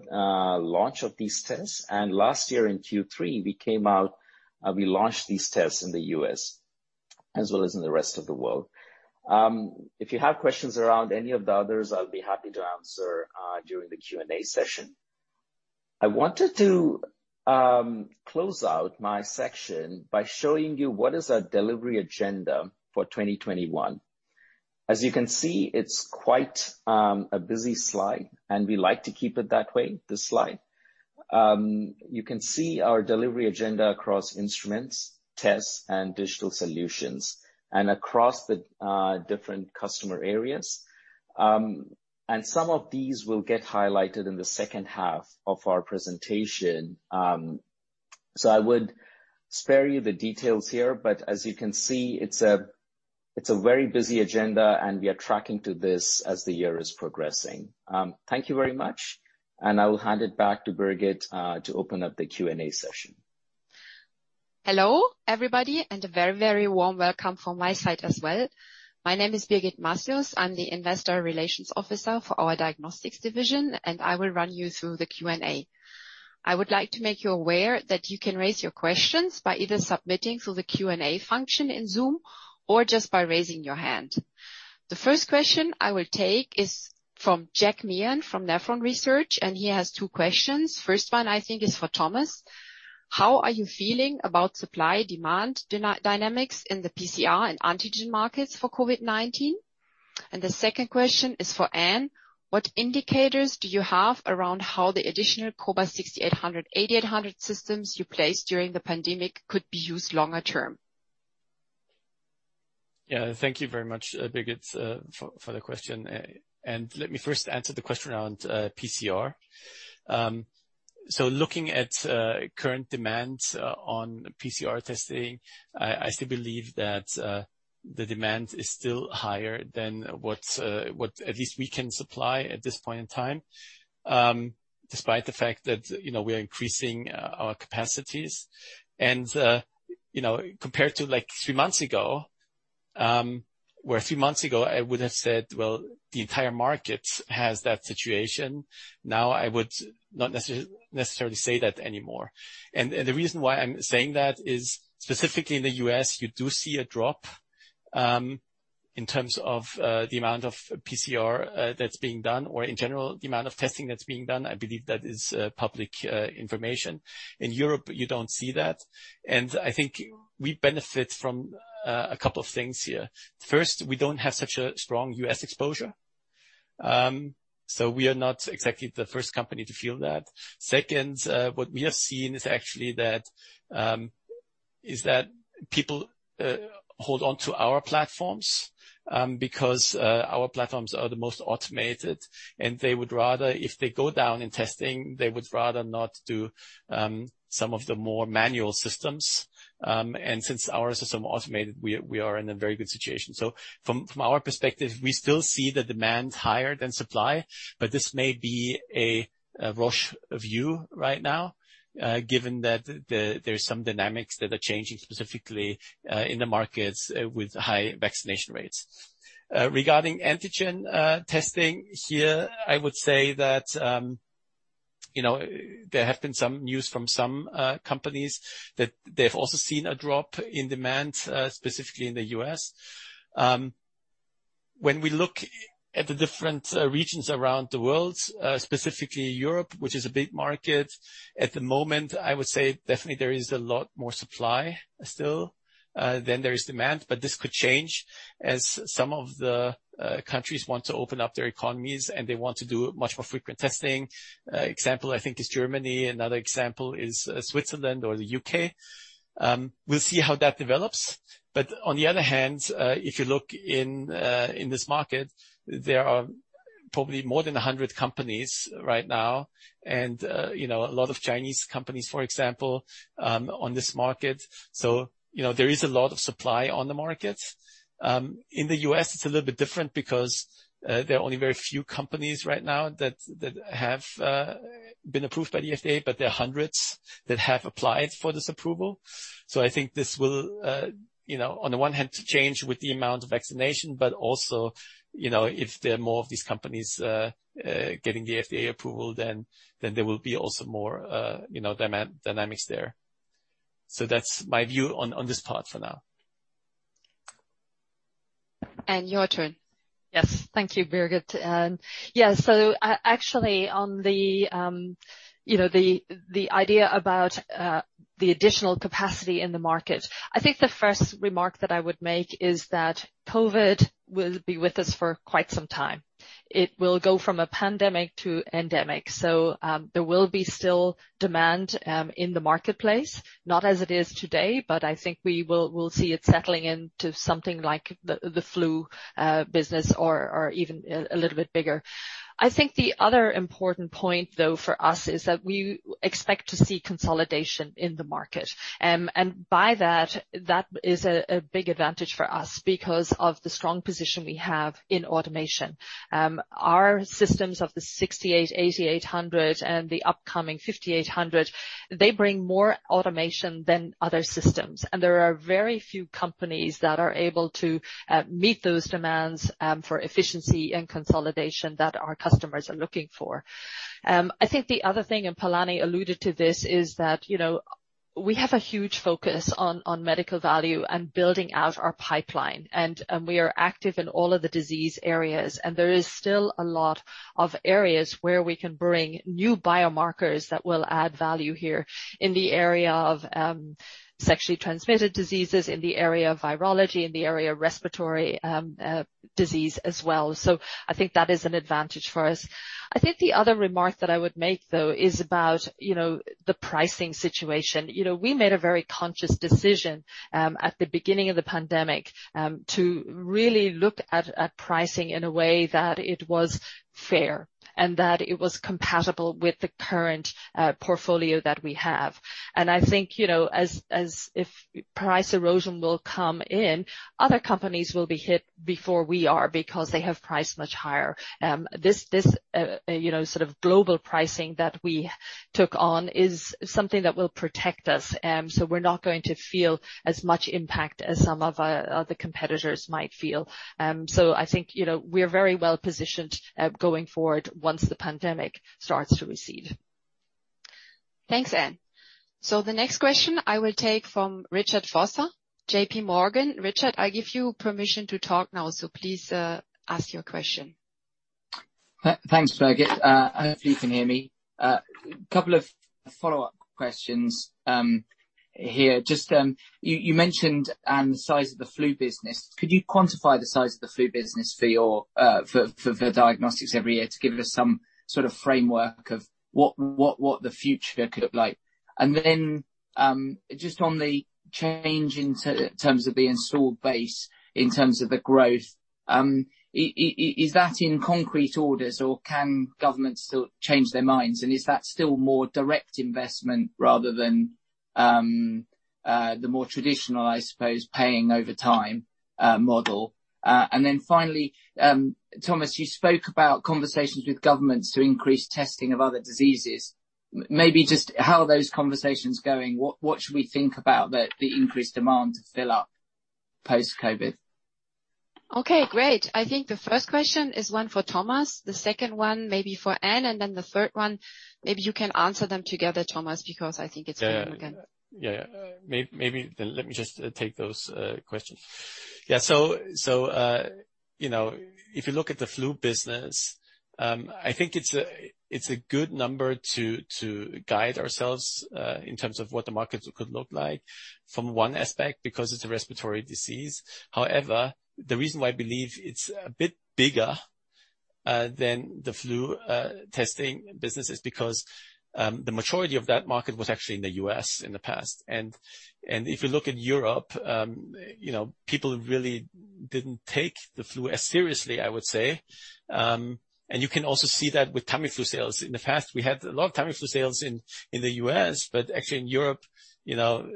launch of these tests. Last year in Q3, we came out, and we launched these tests in the U.S., as well as in the rest of the world. If you have questions around any of the others, I'll be happy to answer during the Q&A session. I wanted to close out my section by showing you what is our delivery agenda for 2021. As you can see, it's quite a busy slide, and we like to keep it that way, this slide. You can see our delivery agenda across instruments, tests, and digital solutions, and across the different customer areas. Some of these will get highlighted in the second half of our presentation. I would spare you the details here, but as you can see, it's a, it's a very busy agenda and we are tracking to this as the year is progressing. Thank you very much, and I will hand it back to Birgit to open up the Q&A session. Hello, everybody, and a very, very warm welcome from my side as well. My name is Birgit Masjost. I'm the investor relations officer for our diagnostics division, and I will run you through the Q&A. I would like to make you aware that you can raise your questions by either submitting through the Q&A function in Zoom or just by raising your hand. The first question I will take is from Jack Meehan, from Nephron Research, and he has two questions. First one, I think is for Thomas: How are you feeling about supply, demand dynamics in the PCR and antigen markets for COVID-19? The second question is for Ann: What indicators do you have around how the additional cobas 6800, 8800 systems you placed during the pandemic could be used longer term? Yeah, thank you very much, Birgit, for the question. Let me first answer the question around PCR. Looking at current demands on PCR testing, I still believe that the demand is still higher than what at least we can supply at this point in time, despite the fact that, you know, we are increasing our capacities. Compared to like 3 months ago, where a few months ago, I would have said, "Well, the entire market has that situation," now, I would not necessarily say that anymore. The reason why I'm saying that is specifically in the U.S., you do see a drop in terms of the amount of PCR that's being done, or in general, the amount of testing that's being done. I believe that is public information. In Europe, you don't see that. I think we benefit from a couple of things here. First, we don't have such a strong U.S. exposure. We are not exactly the first company to feel that. Second, what we have seen is actually that people hold on to our platforms because our platforms are the most automated, and they would rather, if they go down in testing, they would rather not do some of the more manual systems. Since our system automated, we are in a very good situation. From our perspective, we still see the demand higher than supply, but this may be a Roche view right now, given that there are some dynamics that are changing, specifically in the markets with high vaccination rates. Regarding antigen testing, here, I would say that, you know, there have been some news from some companies that they've also seen a drop in demand, specifically in the U.S. When we look at the different regions around the world, specifically Europe, which is a big market, at the moment, I would say definitely there is a lot more supply still than there is demand, but this could change as some of the countries want to open up their economies, and they want to do much more frequent testing. Example, I think, is Germany. Another example is Switzerland or the U.K. We'll see how that develops. On the other hand, if you look in this market, there are probably more than 100 companies right now, and, you know, a lot of Chinese companies, for example, on this market. You know, there is a lot of supply on the market. In the U.S., it's a little bit different because there are only very few companies right now that have been approved by the FDA, but there are hundreds that have applied for this approval. I think this will, you know, on the one hand, change with the amount of vaccination, but also, you know, if there are more of these companies, getting the FDA approval, then there will be also more, you know, demand dynamics there. That's my view on this part for now. Ann, your turn. Yes. Thank you, Birgit. Yeah, so actually, on the, you know, the idea about the additional capacity in the market, I think the first remark that I would make is that COVID will be with us for quite some time. It will go from a pandemic to endemic. There will be still demand in the marketplace, not as it is today, but I think we'll see it settling into something like the flu business or even a little bit bigger. I think the other important point, though, for us, is that we expect to see consolidation in the market. By that is a big advantage for us because of the strong position we have in automation. Our systems of the 6800, 8800 and the upcoming 5800, they bring more automation than other systems. There are very few companies that are able to meet those demands for efficiency and consolidation that our customers are looking for. I think the other thing, and Palani alluded to this, is that, you know, we have a huge focus on medical value and building out our pipeline, and we are active in all of the disease areas. There is still a lot of areas where we can bring new biomarkers that will add value here in the area of sexually transmitted diseases, in the area of virology, in the area of respiratory disease as well. I think that is an advantage for us. I think the other remark that I would make, though, is about, you know, the pricing situation. You know, we made a very conscious decision at the beginning of the pandemic to really look at pricing in a way that it was fair and that it was compatible with the current portfolio that we have. I think, you know, as if price erosion will come in, other companies will be hit before we are because they have priced much higher. This, you know, sort of global pricing that we took on is something that will protect us, so we're not going to feel as much impact as some of our other competitors might feel. I think, you know, we're very well positioned going forward once the pandemic starts to recede. Thanks, Ann. The next question I will take from Richard Vosser, JPMorgan. Richard, I give you permission to talk now, so please ask your question. Thanks, Birgit. I hope you can hear me. Couple of follow-up questions here. Just, you mentioned, Ann, the size of the flu business. Could you quantify the size of the flu business for your for Diagnostics every year to give us some sort of framework of what the future could look like? Just on the change in terms of the installed base, in terms of the growth, is that in concrete orders, or can governments still change their minds? Is that still more direct investment rather than the more traditional, I suppose, paying over time, model? Finally, Thomas, you spoke about conversations with governments to increase testing of other diseases. Maybe just how are those conversations going? What should we think about the increased demand to fill up post-COVID? Okay, great. I think the first question is one for Thomas, the second one maybe for Ann, and then the third one, maybe you can answer them together, Thomas, because I think it's pretty again- Yeah. Maybe, let me just take those questions. You know, if you look at the flu business, I think it's a good number to guide ourselves in terms of what the markets could look like from one aspect, because it's a respiratory disease. However, the reason why I believe it's a bit bigger than the flu testing businesses, because the majority of that market was actually in the U.S. in the past. If you look in Europe, you know, people really didn't take the flu as seriously, I would say. You can also see that with Tamiflu sales. In the past, we had a lot of Tamiflu sales in the U.S., but actually in Europe, you know,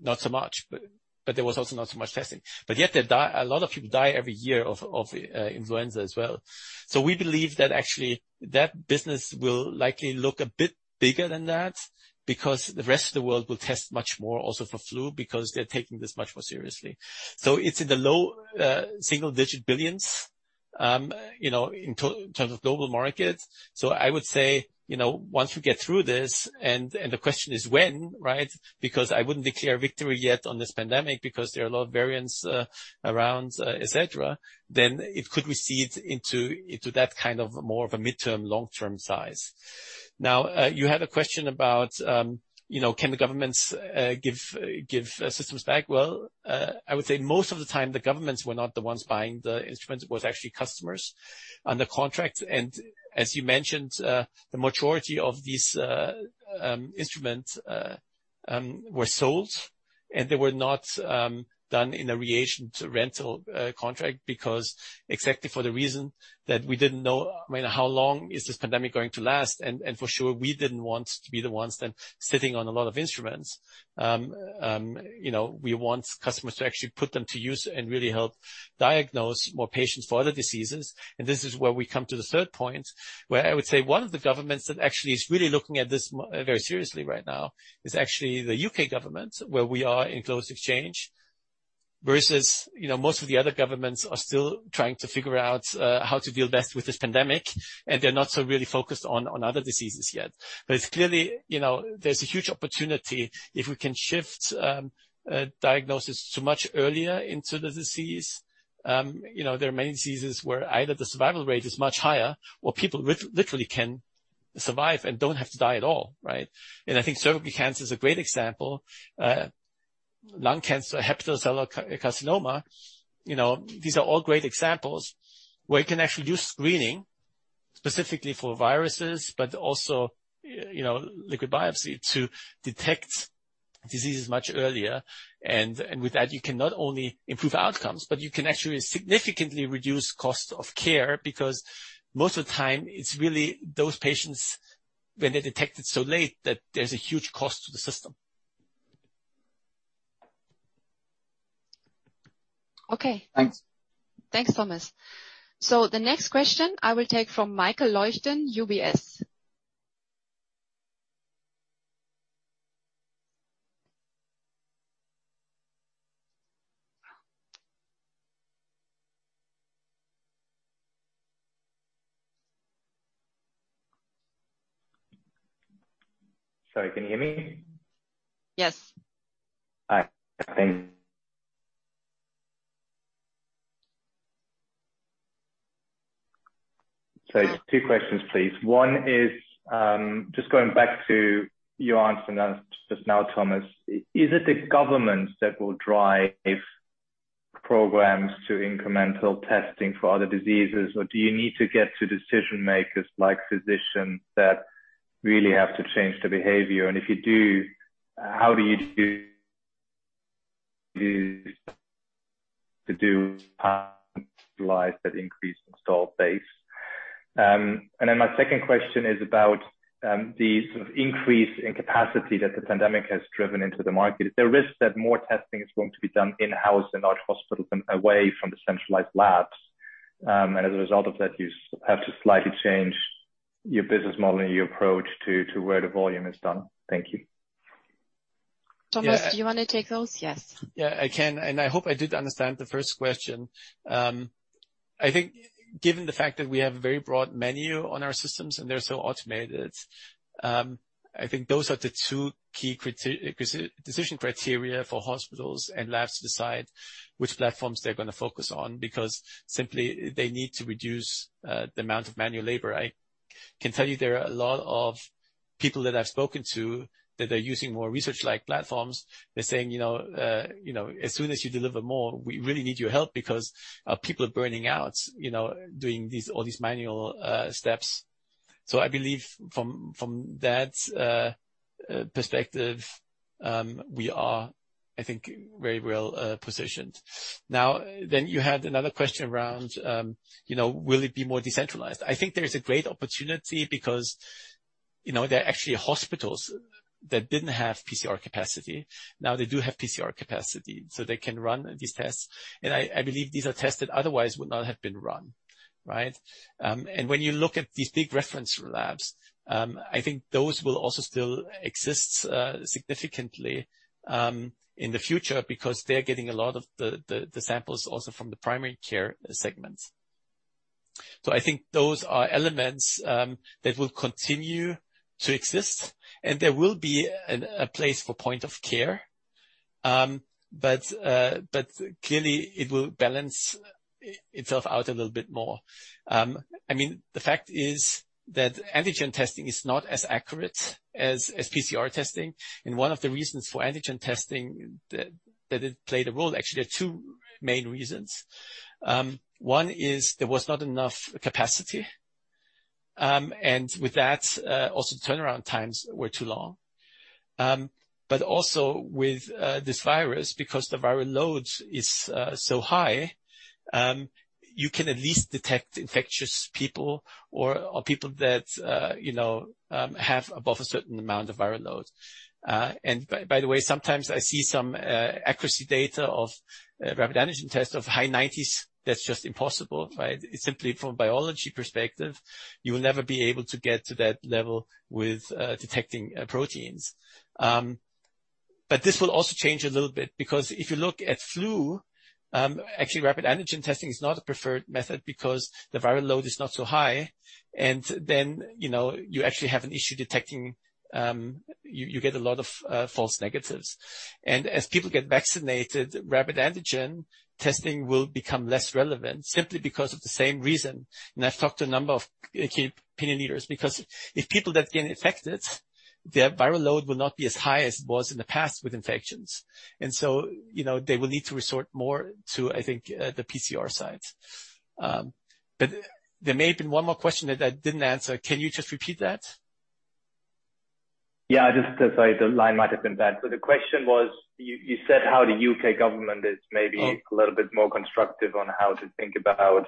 not so much, but there was also not so much testing. Yet a lot of people die every year of influenza as well. We believe that actually, that business will likely look a bit bigger than that, because the rest of the world will test much more also for flu, because they're taking this much more seriously. It's in the CHF low, single digit billions, you know, in terms of global markets. I would say, you know, once we get through this, and the question is when, right? I wouldn't declare victory yet on this pandemic, because there are a lot of variants around, et cetera, then it could recede into that kind of more of a midterm, long-term size. You had a question about, you know, can the governments give systems back? I would say most of the time, the governments were not the ones buying the instruments. It was actually customers under contract. As you mentioned, the majority of these instruments were sold, and they were not done in a relation to rental contract because exactly for the reason that we didn't know, I mean, how long is this pandemic going to last? For sure, we didn't want to be the ones then sitting on a lot of instruments. You know, we want customers to actually put them to use and really help diagnose more patients for other diseases. This is where we come to the third point, where I would say one of the governments that actually is really looking at this very seriously right now, is actually the U.K. government, where we are in close exchange, versus, you know, most of the other governments are still trying to figure out how to deal best with this pandemic, and they're not so really focused on other diseases yet. It's clearly, you know, there's a huge opportunity if we can shift diagnosis to much earlier into the disease. You know, there are many diseases where either the survival rate is much higher or people literally can survive and don't have to die at all, right? I think cervical cancer is a great example. Lung cancer, hepatocellular carcinoma, you know, these are all great examples where you can actually use screening specifically for viruses, but also, you know, liquid biopsy to detect diseases much earlier. With that, you can not only improve outcomes, but you can actually significantly reduce cost of care, because most of the time it's really those patients, when they're detected so late, that there's a huge cost to the system. Okay. Thanks. Thanks, Thomas. The next question I will take from Michael Leuchten, UBS. Sorry, can you hear me? Yes. Hi, thank you. Two questions, please. One is, just going back to your answer just now, Thomas. Is it the government that will drive programs to incremental testing for other diseases, or do you need to get to decision makers like physicians that really have to change the behavior? If you do, how do you to do life that increase installed base? My second question is about the sort of increase in capacity that the pandemic has driven into the market. Is there a risk that more testing is going to be done in-house and not hospitals and away from the centralized labs, and as a result of that, you have to slightly change your business model and your approach to where the volume is done? Thank you. Thomas, do you want to take those? Yes. Yeah, I can. I hope I did understand the first question. I think given the fact that we have a very broad menu on our systems and they're so automated, I think those are the two key decision criteria for hospitals and labs to decide which platforms they're gonna focus on, because simply, they need to reduce the amount of manual labor. I can tell you there are a lot of people that I've spoken to that are using more research-like platforms. They're saying, you know, you know, "As soon as you deliver more, we really need your help because people are burning out, you know, doing these, all these manual steps." I believe from that perspective, we are, I think, very well positioned. You had another question around, you know, will it be more decentralized? I think there is a great opportunity because, you know, there are actually hospitals that didn't have PCR capacity. Now they do have PCR capacity, so they can run these tests. I believe these are tests that otherwise would not have been run, right? When you look at these big reference labs, I think those will also still exist significantly in the future because they're getting a lot of the samples also from the primary care segments. I think those are elements that will continue to exist, and there will be a place for point of care. Clearly, it will balance itself out a little bit more. I mean, the fact is that antigen testing is not as accurate as PCR testing. One of the reasons for antigen testing that it played a role. Actually, there are two main reasons. One is there was not enough capacity, and with that, also turnaround times were too long. But also with this virus, because the viral load is so high, you can at least detect infectious people or people that, you know, have above a certain amount of viral load. By the way, sometimes I see some accuracy data of rapid antigen test of high nineties. That's just impossible, right? Simply from a biology perspective, you will never be able to get to that level with detecting proteins. This will also change a little bit because if you look at flu, actually, rapid antigen testing is not a preferred method because the viral load is not so high, and then, you know, you actually have an issue detecting, you get a lot of false negatives. As people get vaccinated, rapid antigen testing will become less relevant simply because of the same reason. I've talked to a number of key opinion leaders, because if people that get infected, their viral load will not be as high as it was in the past with infections. You know, they will need to resort more to, I think, the PCR side. There may have been one more question that I didn't answer. Can you just repeat that? Yeah. Just, sorry, the line might have been bad. The question was, you said how the U.K. government is. a little bit more constructive on how to think about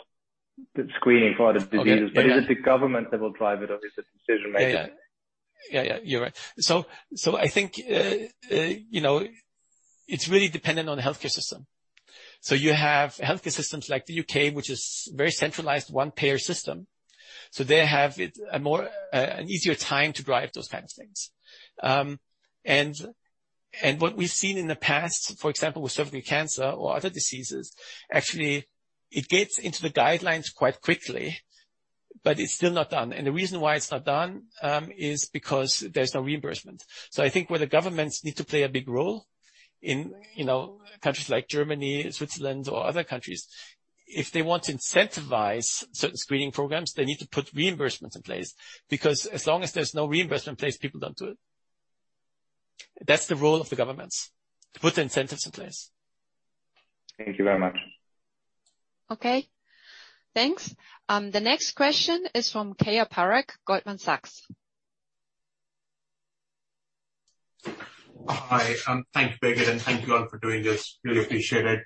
the screening for other diseases. Yeah, yeah. Is it the government that will drive it, or is it the decision maker? Yeah. Yeah, you're right. I think, you know, it's really dependent on the healthcare system. You have healthcare systems like the U.K., which is very centralized, one-payer system, they have it a more, an easier time to drive those kinds of things. What we've seen in the past, for example, with cervical cancer or other diseases, actually, it gets into the guidelines quite quickly, but it's still not done. The reason why it's not done is because there's no reimbursement. I think where the governments need to play a big role in, you know, countries like Germany, Switzerland, or other countries, if they want to incentivize certain screening programs, they need to put reimbursements in place. As long as there's no reimbursement in place, people don't do it. That's the role of the governments, to put the incentives in place. Thank you very much. Okay, thanks. The next question is from Keya Patni, Goldman Sachs. Hi, thank you, Birgit, and thank you all for doing this. Really appreciate it.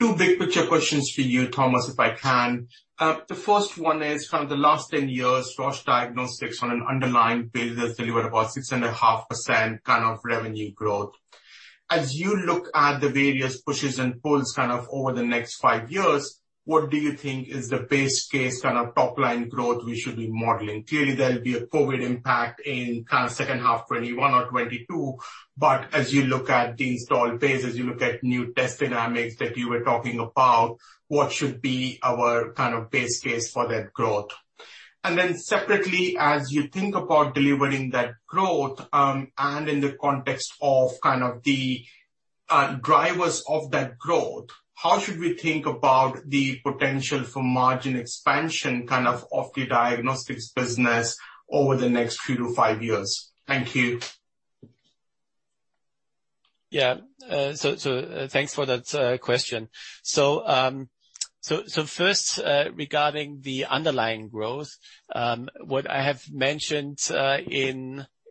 Two big-picture questions for you, Thomas, if I can. The first one is, from the last 10 years, Roche Diagnostics on an underlying basis, delivered about 6.5% kind of revenue growth. As you look at the various pushes and pulls, kind of over the next five years, what do you think is the best case, kind of, top-line growth we should be modeling? Clearly, there'll be a COVID impact in, kind of, second half 2021 or 2022. As you look at the installed base, as you look at new test dynamics that you were talking about, what should be our, kind of, best case for that growth? Separately, as you think about delivering that growth, and in the context of, kind of the, drivers of that growth, how should we think about the potential for margin expansion, kind of, off the diagnostics business over the next 3 to 5 years? Thank you. Thanks for that question. First, regarding the underlying growth, what I have mentioned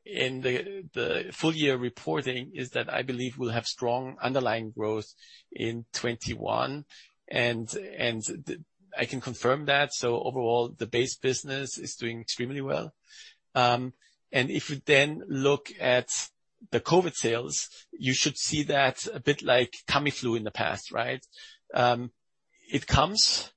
in the full year reporting is that I believe we'll have strong underlying growth in 2021. I can confirm that. Overall, the base business is doing extremely well. If you then look at the COVID sales, you should see that a bit like Tamiflu in the past, right? It comes,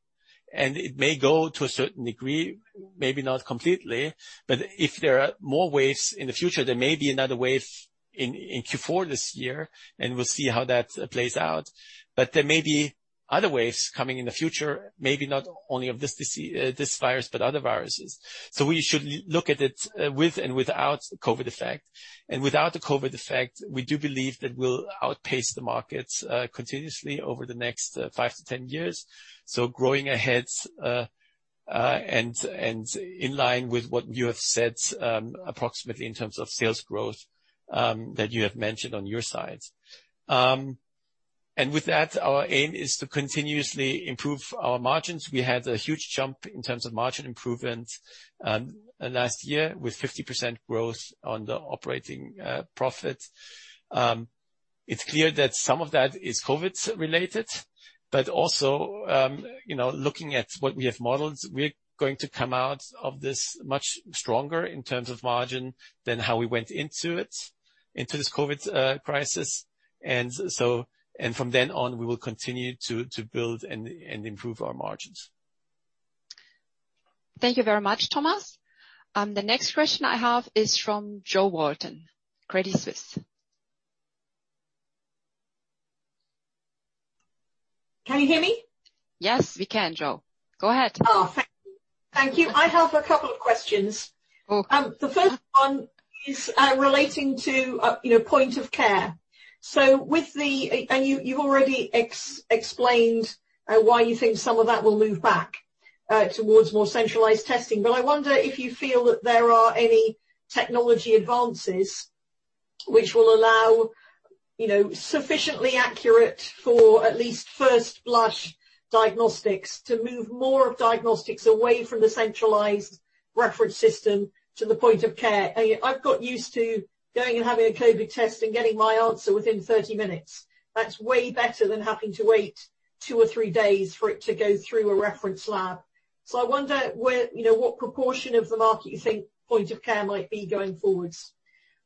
it may go to a certain degree, maybe not completely, but if there are more waves in the future, there may be another wave in Q4 this year, we'll see how that plays out. There may be other waves coming in the future, maybe not only of this virus, but other viruses. we should look at it with and without COVID effect. Without the COVID effect, we do believe that we'll outpace the markets continuously over the next 5 to 10 years. Growing aheads and in line with what you have said, approximately in terms of sales growth that you have mentioned on your side. With that, our aim is to continuously improve our margins. We had a huge jump in terms of margin improvement last year, with 50% growth on the operating profit. It's clear that some of that is COVID-related, but also, you know, looking at what we have modeled, we're going to come out of this much stronger in terms of margin than how we went into it, into this COVID crisis. From then on, we will continue to build and improve our margins. Thank you very much, Thomas. The next question I have is from Jo Walton, Credit Suisse. Can you hear me? Yes, we can, Jo. Go ahead. Oh, thank you. Thank you. I have a couple of questions. The first one is, relating to, you know, point of care. You've already explained, why you think some of that will move back. Towards more centralized testing. I wonder if you feel that there are any technology advances which will allow, you know, sufficiently accurate for at least first blush diagnostics to move more of diagnostics away from the centralized reference system to the point-of-care? I've got used to going and having a COVID test and getting my answer within 30 minutes. That's way better than having to wait 2 or 3 days for it to go through a reference lab. I wonder where, you know, what proportion of the market you think point-of-care might be going forwards?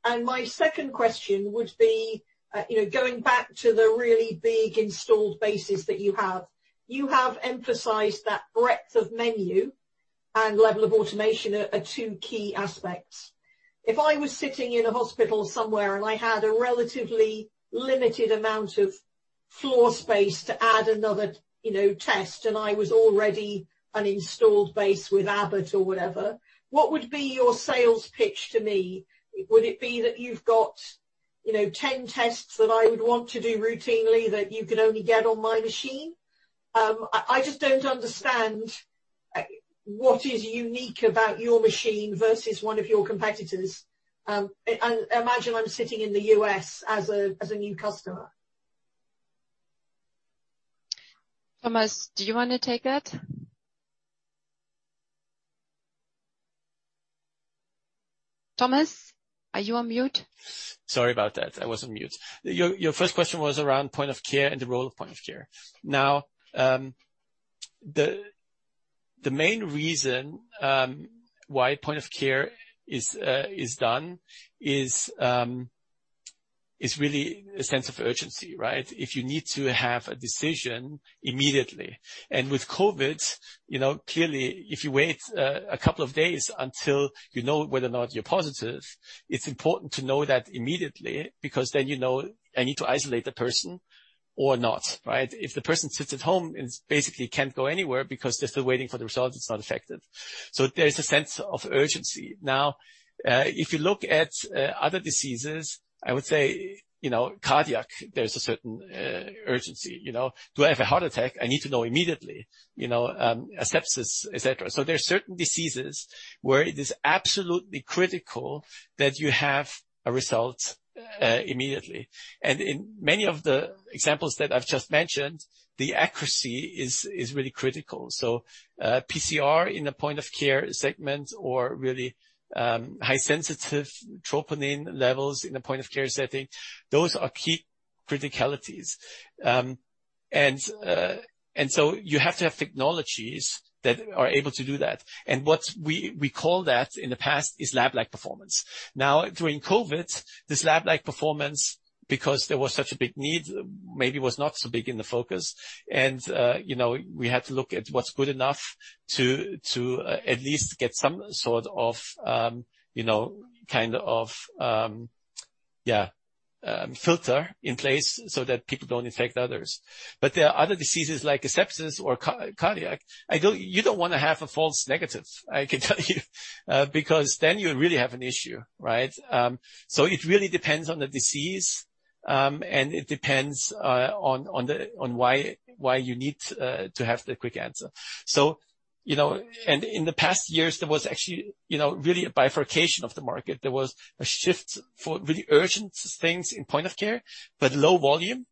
My second question would be, you know, going back to the really big installed bases that you have. You have emphasized that breadth of menu and level of automation are two key aspects. If I was sitting in a hospital somewhere, and I had a relatively limited amount of floor space to add another, you know, test, and I was already an installed base with Abbott or whatever, what would be your sales pitch to me? Would it be that you've got, you know, 10 tests that I would want to do routinely that you could only get on my machine? I just don't understand what is unique about your machine versus one of your competitors. Imagine I'm sitting in the U.S. as a, as a new customer. Thomas, do you want to take that? Thomas, are you on mute? Sorry about that. I was on mute. Your first question was around point of care and the role of point of care. The main reason why point of care is done is really a sense of urgency, right? If you need to have a decision immediately. With COVID, you know, clearly, if you wait 2 days until you know whether or not you're positive, it's important to know that immediately, because then you know I need to isolate the person or not, right? If the person sits at home and basically can't go anywhere because they're still waiting for the results, it's not effective. There is a sense of urgency. If you look at other diseases, I would say, you know, cardiac, there's a certain urgency, you know. Do I have a heart attack? I need to know immediately, you know, sepsis, et cetera. There are certain diseases where it is absolutely critical that you have a result, immediately. In many of the examples that I've just mentioned, the accuracy is really critical. PCR in a point of care segment or really, high sensitive troponin levels in a point of care setting, those are key criticalities. And so you have to have technologies that are able to do that. What we call that in the past is lab-like performance. During COVID, this lab-like performance, because there was such a big need, maybe was not so big in the focus. You know, we had to look at what's good enough to at least get some sort of, you know, kind of, yeah, filter in place so that people don't infect others. There are other diseases like sepsis or cardiac. I don't... You don't wanna have a false negative, I can tell you, because then you really have an issue, right? It really depends on the disease, and it depends on the, on why you need to have the quick answer. You know, and in the past years, there was actually, you know, really a bifurcation of the market. There was a shift for really urgent things in point of care, but low volume.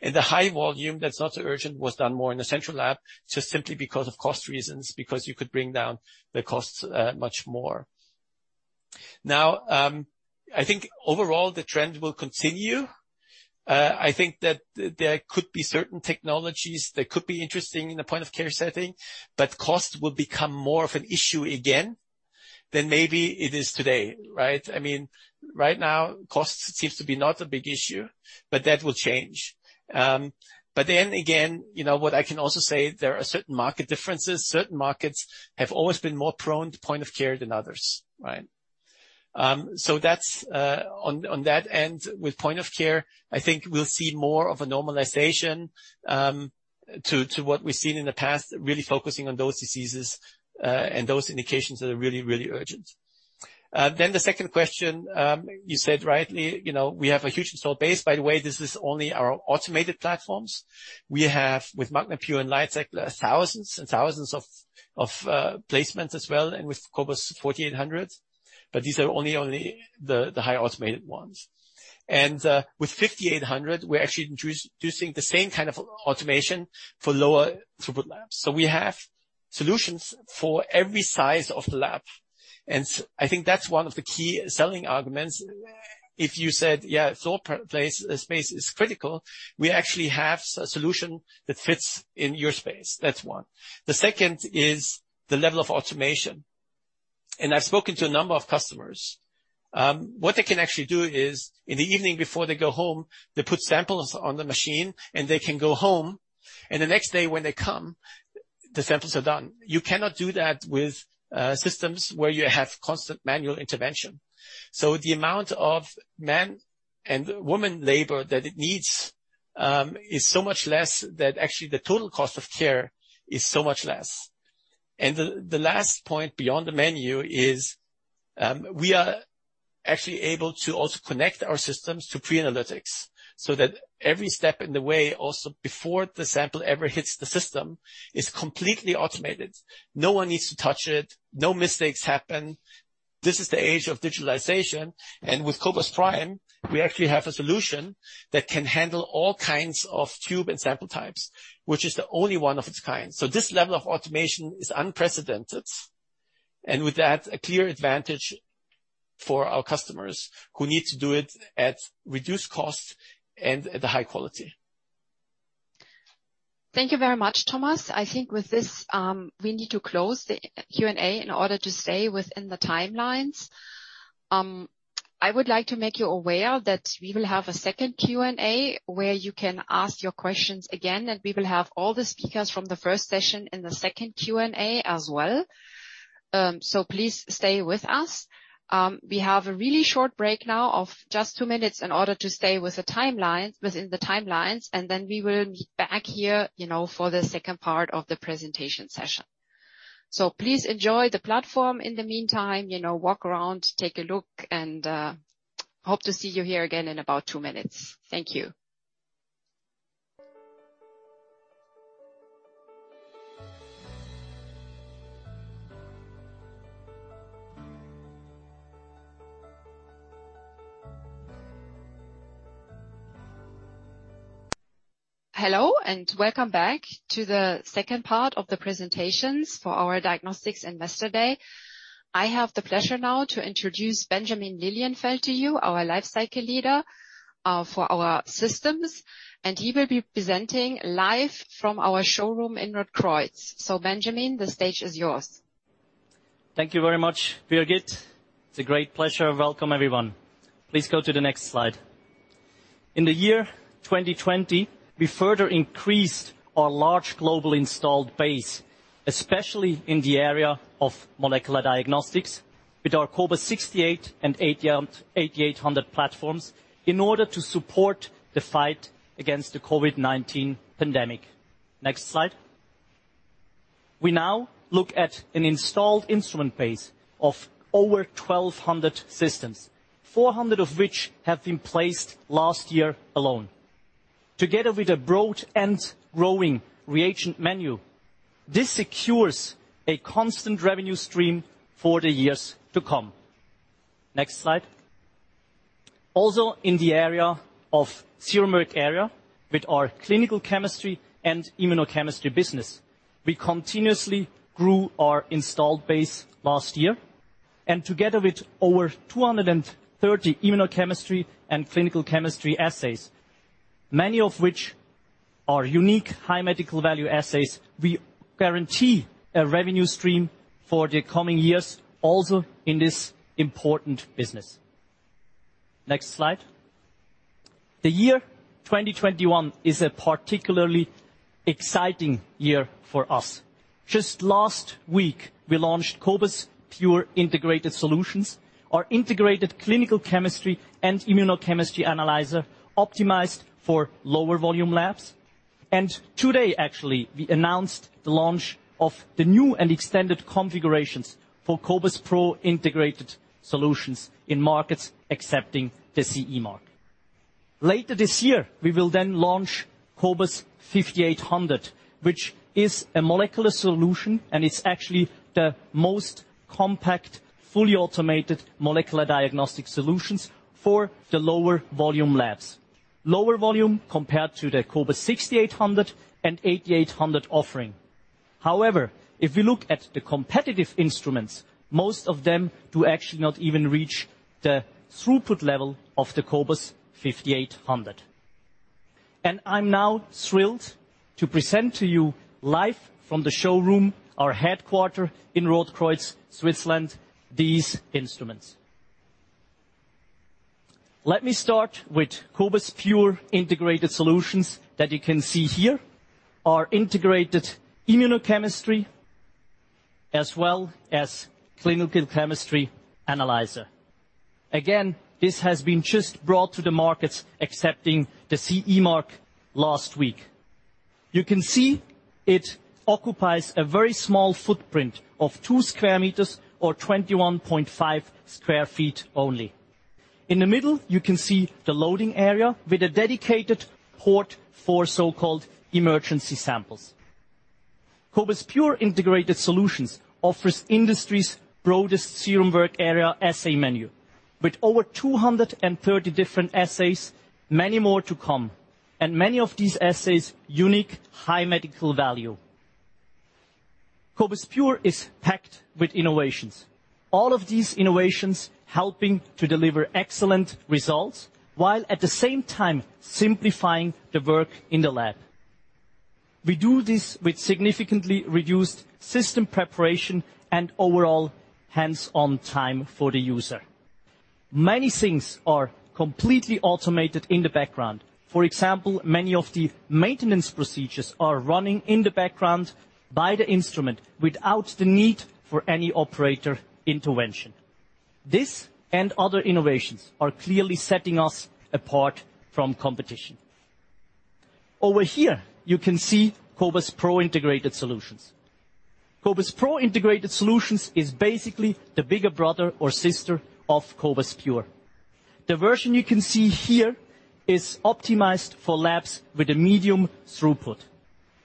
The high volume that's not urgent, was done more in the central lab, just simply because of cost reasons, because you could bring down the costs much more. I think overall, the trend will continue. I think that there could be certain technologies that could be interesting in a point-of-care setting, but cost will become more of an issue again than maybe it is today, right? I mean, right now, cost seems to be not a big issue, but that will change. You know, what I can also say, there are certain market differences. Certain markets have always been more prone to point-of-care than others, right? That's on that end, with point of care, I think we'll see more of a normalization to what we've seen in the past, really focusing on those diseases and those indications that are really urgent. The second question, you said rightly, you know, we have a huge installed base. By the way, this is only our automated platforms. We have, with MagNA Pure and LightCycler, thousands of placements as well, and with cobas 4800, but these are only the high automated ones. With cobas 5800, we're actually introducing the same kind of automation for lower throughput labs. We have solutions for every size of the lab, and I think that's one of the key selling arguments. If you said, "Yeah, place, space is critical," we actually have a solution that fits in your space. That's one. The second is the level of automation. I've spoken to a number of customers. What they can actually do is, in the evening before they go home, they put samples on the machine, and they can go home, and the next day when they come, the samples are done. You cannot do that with systems where you have constant manual intervention. The amount of man and woman labor that it needs is so much less that actually the total cost of care is so much less. The last point beyond the menu is, we are... actually able to also connect our systems to pre-analytics, so that every step in the way, also before the sample ever hits the system, is completely automated. No one needs to touch it, no mistakes happen. This is the age of digitalization. With cobas prime, we actually have a solution that can handle all kinds of tube and sample types, which is the only one of its kind. This level of automation is unprecedented, and with that, a clear advantage for our customers who need to do it at reduced cost and at a high quality. Thank you very much, Thomas. I think with this, we need to close the Q&A in order to stay within the timelines. I would like to make you aware that we will have a second Q&A, where you can ask your questions again, and we will have all the speakers from the first session in the second Q&A as well. Please stay with us. We have a really short break now of just two minutes in order to stay within the timelines, and we will be back here, you know, for the second part of the presentation session. Please enjoy the platform in the meantime, you know, walk around, take a look, and hope to see you here again in about two minutes. Thank you. Hello, welcome back to the second part of the presentations for our diagnostics investor day. I have the pleasure now to introduce Benjamin Lilienfeld to you, our Lifecycle Leader for our systems, and he will be presenting live from our showroom in Rotkreuz. Benjamin, the stage is yours. Thank you very much, Birgit. It's a great pleasure. Welcome, everyone. Please go to the next slide. In the year 2020, we further increased our large global installed base, especially in the area of molecular diagnostics, with our cobas 6800 and 8800 platforms, in order to support the fight against the COVID-19 pandemic. Next slide. We now look at an installed instrument base of over 1,200 systems, 400 of which have been placed last year alone. Together with a broad and growing reagent menu, this secures a constant revenue stream for the years to come. Next slide. Also, in the area of serum work area, with our clinical chemistry and immunochemistry business, we continuously grew our installed base last year, and together with over 230 immunochemistry and clinical chemistry assays, many of which are unique, high medical value assays, we guarantee a revenue stream for the coming years, also in this important business. Next slide. The year 2021 is a particularly exciting year for us. Just last week, we launched cobas pure integrated solutions, our integrated clinical chemistry and immunochemistry analyzer, optimized for lower volume labs. Today, actually, we announced the launch of the new and extended configurations for cobas pro integrated solutions in markets accepting the CE mark. Later this year, we will then launch cobas 5800, which is a molecular solution, and it's actually the most compact, fully automated molecular diagnostic solutions for the lower volume labs. Lower volume compared to the cobas 6800 and 8800 offering. If we look at the competitive instruments, most of them do actually not even reach the throughput level of the cobas 5800. I'm now thrilled to present to you, live from the showroom, our headquarter in Rotkreuz, Switzerland, these instruments. Let me start with cobas pure integrated solutions that you can see here, our integrated immunochemistry as well as clinical chemistry analyzer. Again, this has been just brought to the markets accepting the CE mark last week. You can see it occupies a very small footprint of 2 sq m or 21.5 sq ft only. In the middle, you can see the loading area with a dedicated port for so-called emergency samples. cobas pure integrated solutions offers industry's broadest serum work area assay menu, with over 230 different assays, many more to come, and many of these assays, unique, high medical value. cobas pure is packed with innovations, all of these innovations helping to deliver excellent results, while at the same time, simplifying the work in the lab. We do this with significantly reduced system preparation and overall hands-on time for the user. Many things are completely automated in the background. For example, many of the maintenance procedures are running in the background by the instrument without the need for any operator intervention. This and other innovations are clearly setting us apart from competition. Over here, you can see cobas pro integrated solutions. cobas pro integrated solutions is basically the bigger brother or sister of cobas pure. The version you can see here is optimized for labs with a medium throughput.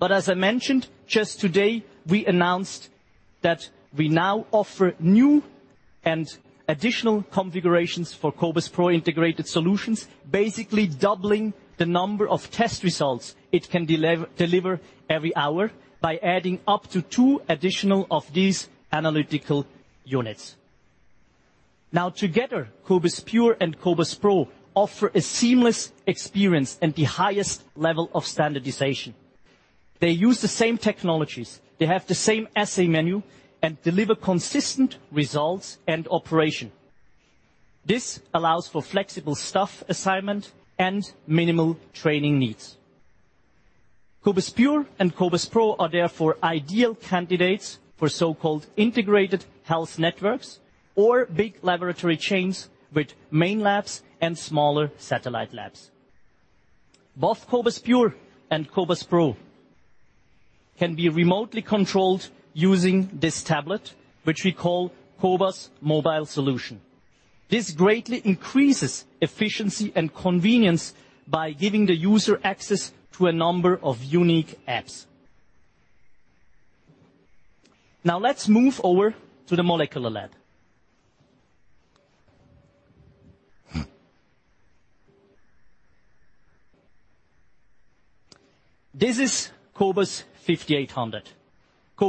As I mentioned, just today, we announced that we now offer new and additional configurations for cobas pro integrated solutions, basically doubling the number of test results it can deliver every hour by adding up to two additional of these analytical units. Together, cobas pure and cobas pro offer a seamless experience and the highest level of standardization. They use the same technologies, they have the same assay menu, and deliver consistent results and operation. This allows for flexible staff assignment and minimal training needs. cobas pure and cobas pro are therefore ideal candidates for so-called integrated health networks or big laboratory chains with main labs and smaller satellite labs. Both cobas pure and cobas pro can be remotely controlled using this tablet, which we call cobas mobile solution. This greatly increases efficiency and convenience by giving the user access to a number of unique apps. Now, let's move over to the molecular lab. This is cobas 5800. cobas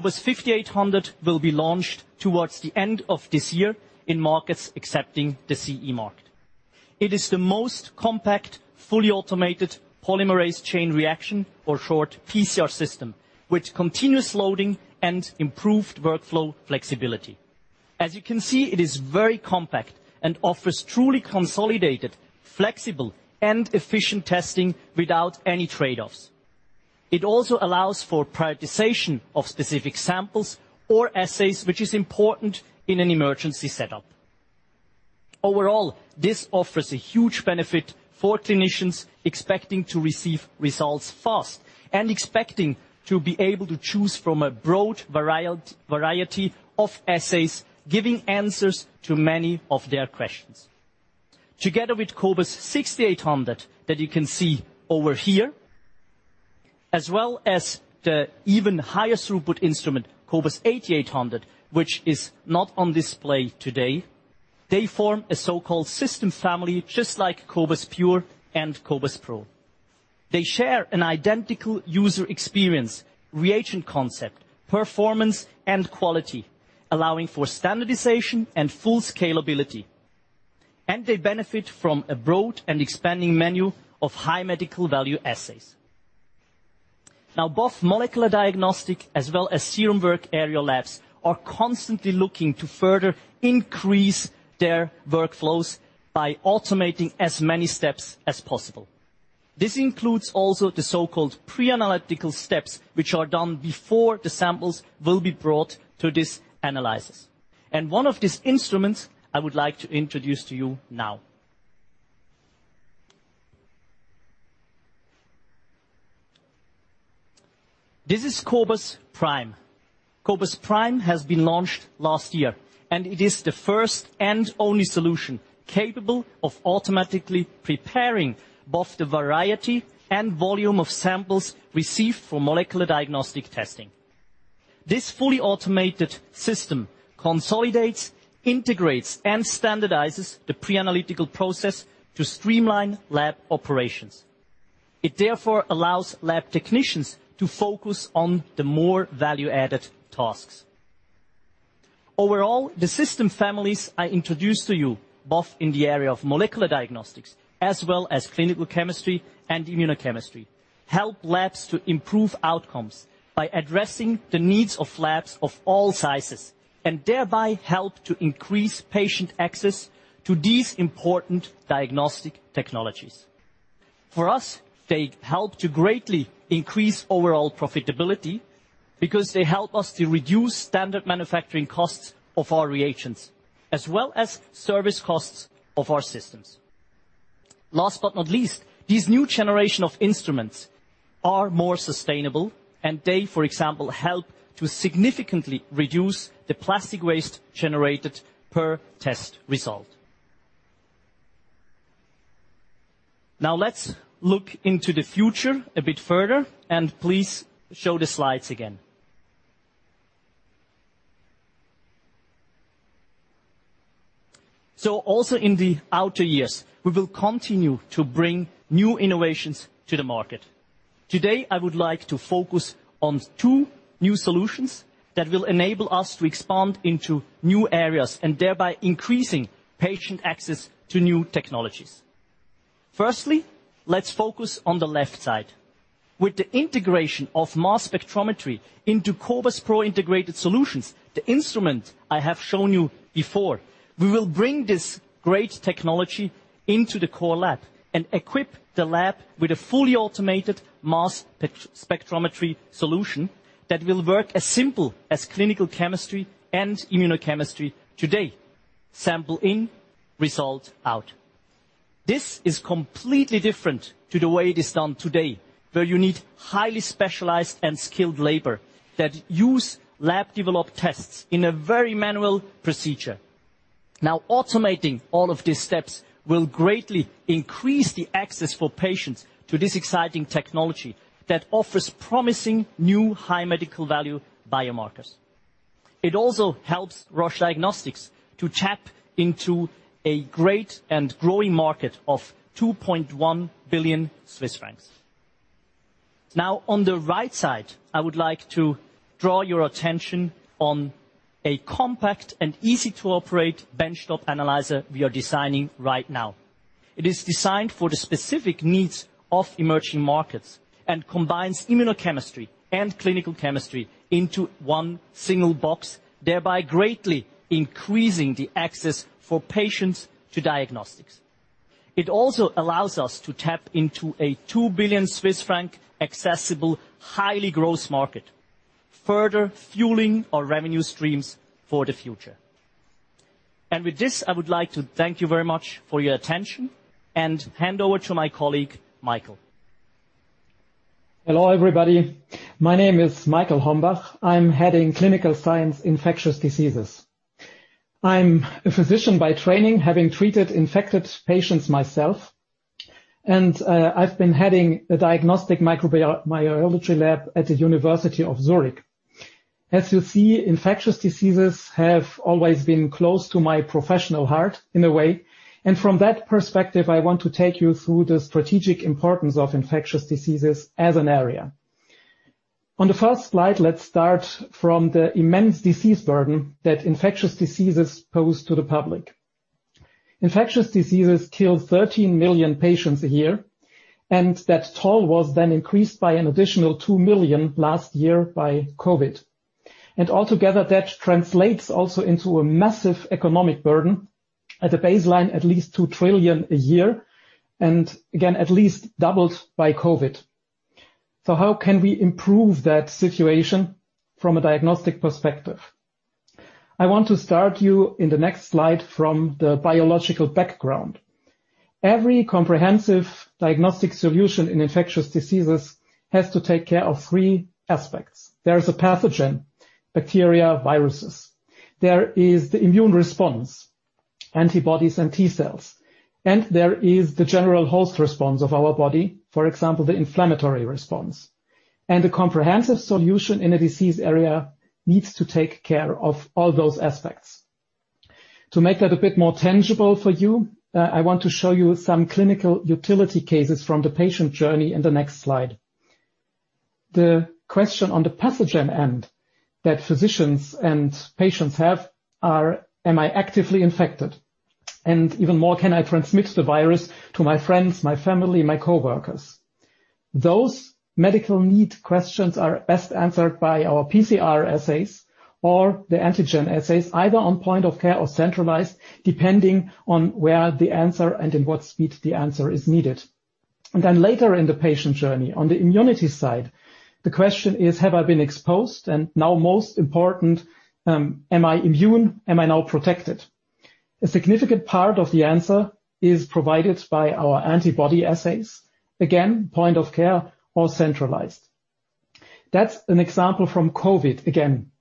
5800 will be launched towards the end of this year in markets accepting the CE mark. It is the most compact, fully automated polymerase chain reaction, or short, PCR system, with continuous loading and improved workflow flexibility. As you can see, it is very compact and offers truly consolidated, flexible, and efficient testing without any trade-offs. It also allows for prioritization of specific samples or assays, which is important in an emergency setup. Overall, this offers a huge benefit for clinicians expecting to receive results fast and expecting to be able to choose from a broad variety of assays, giving answers to many of their questions. Together with cobas 6800 that you can see over here, as well as the even higher throughput instrument, cobas 8800, which is not on display today, they form a so-called system family, just like cobas pure and cobas pro. They share an identical user experience, reagent concept, performance, and quality, allowing for standardization and full scalability, and they benefit from a broad and expanding menu of high medical value assays. Both molecular diagnostic as well as Serum Work Area labs are constantly looking to further increase their workflows by automating as many steps as possible. This includes also the so-called pre-analytical steps, which are done before the samples will be brought to this analysis. One of these instruments, I would like to introduce to you now. This is cobas prime. cobas prime has been launched last year, and it is the first and only solution capable of automatically preparing both the variety and volume of samples received from molecular diagnostic testing. This fully automated system consolidates, integrates, and standardizes the pre-analytical process to streamline lab operations. It therefore allows lab technicians to focus on the more value-added tasks. Overall, the system families I introduced to you, both in the area of molecular diagnostics as well as clinical chemistry and immunochemistry, help labs to improve outcomes by addressing the needs of labs of all sizes, and thereby help to increase patient access to these important diagnostic technologies. For us, they help to greatly increase overall profitability because they help us to reduce standard manufacturing costs of our reagents, as well as service costs of our systems. Last not least, these new generation of instruments are more sustainable, and they, for example, help to significantly reduce the plastic waste generated per test result. Let's look into the future a bit further, and please show the slides again. Also in the outer years, we will continue to bring new innovations to the market. Today, I would like to focus on two new solutions that will enable us to expand into new areas and thereby increasing patient access to new technologies. Firstly, let's focus on the left side. With the integration of mass spectrometry into cobas pro integrated solutions, the instrument I have shown you before, we will bring this great technology into the core lab and equip the lab with a fully automated mass spectrometry solution that will work as simple as clinical chemistry and immunochemistry today. Sample in, result out. This is completely different to the way it is done today, where you need highly specialized and skilled labor, that use lab-developed tests in a very manual procedure. Automating all of these steps will greatly increase the access for patients to this exciting technology, that offers promising new high medical value biomarkers. It also helps Roche Diagnostics to tap into a great and growing market of 2.1 billion Swiss francs. On the right side, I would like to draw your attention on a compact and easy-to-operate benchtop analyzer we are designing right now. It is designed for the specific needs of emerging markets and combines immunochemistry and clinical chemistry into one single box, thereby greatly increasing the access for patients to diagnostics. It also allows us to tap into a 2 billion Swiss franc accessible, highly growth market, further fueling our revenue streams for the future. With this, I would like to thank you very much for your attention and hand over to my colleague, Michael. Hello, everybody. My name is Michael Hombach. I'm heading Clinical Science Infectious Diseases. I'm a physician by training, having treated infected patients myself, I've been heading a diagnostic microbiology lab at the University of Zurich. As you see, infectious diseases have always been close to my professional heart, in a way, from that perspective, I want to take you through the strategic importance of infectious diseases as an area. On the first slide, let's start from the immense disease burden that infectious diseases pose to the public. Infectious diseases kill 13 million patients a year, that toll was increased by an additional 2 million last year by COVID. Altogether, that translates also into a massive economic burden, at a baseline, at least $2 trillion a year, again, at least doubled by COVID. How can we improve that situation from a diagnostic perspective? I want to start you in the next slide from the biological background. Every comprehensive diagnostic solution in infectious diseases has to take care of three aspects. There is a pathogen, bacteria, viruses. There is the immune response, antibodies and T cells, and there is the general host response of our body, for example, the inflammatory response. A comprehensive solution in a disease area needs to care of all those aspects. To make that a bit more tangible for you, I want to show you some clinical utility cases from the patient journey in the next slide. The question on the pathogen end, that physicians and patients have are: Am I actively infected? Even more, can I transmit the virus to my friends, my family, my coworkers? Those medical need questions are best answered by our PCR assays or the antigen assays, either on point of care or centralized, depending on where the answer and in what speed the answer is needed. Later in the patient journey, on the immunity side, the question is: Have I been exposed? Now, most important, am I immune? Am I now protected? A significant part of the answer is provided by our antibody assays. Again, point of care or centralized. That's an example from COVID again.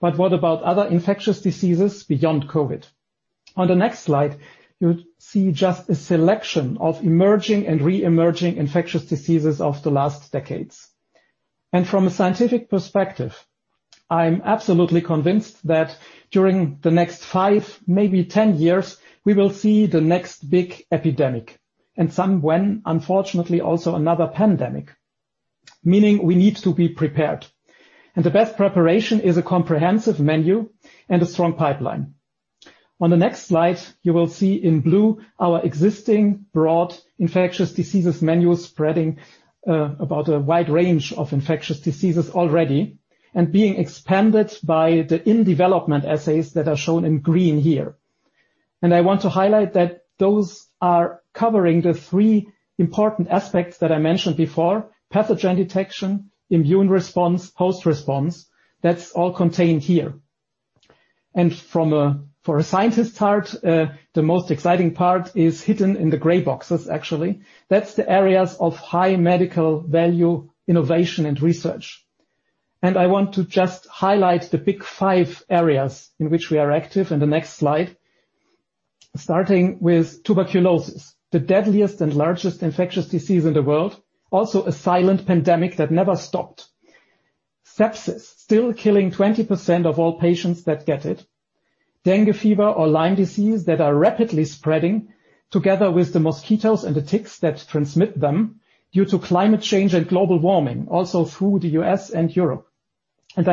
What about other infectious diseases beyond COVID? On the next slide, you see just a selection of emerging and re-emerging infectious diseases of the last decades. From a scientific perspective, I'm absolutely convinced that during the next 5, maybe 10 years, we will see the next big epidemic, and some when, unfortunately, also another pandemic. Meaning, we need to be prepared. The best preparation is a comprehensive menu and a strong pipeline. On the next slide, you will see in blue our existing broad infectious diseases menu, spreading about a wide range of infectious diseases already, and being expanded by the in-development assays that are shown in green here. I want to highlight that those are covering the three important aspects that I mentioned before: pathogen detection, immune response, host response. That's all contained here. From for a scientist heart, the most exciting part is hidden in the gray boxes, actually. That's the areas of high medical value, innovation, and research. I want to just highlight the big 5 areas in which we are active in the next slide, starting with tuberculosis, the deadliest and largest infectious disease in the world, also a silent pandemic that never stopped. Sepsis, still killing 20% of all patients that get it. Dengue fever or Lyme disease that are rapidly spreading together with the mosquitoes and the ticks that transmit them, due to climate change and global warming, also through the U.S. and Europe.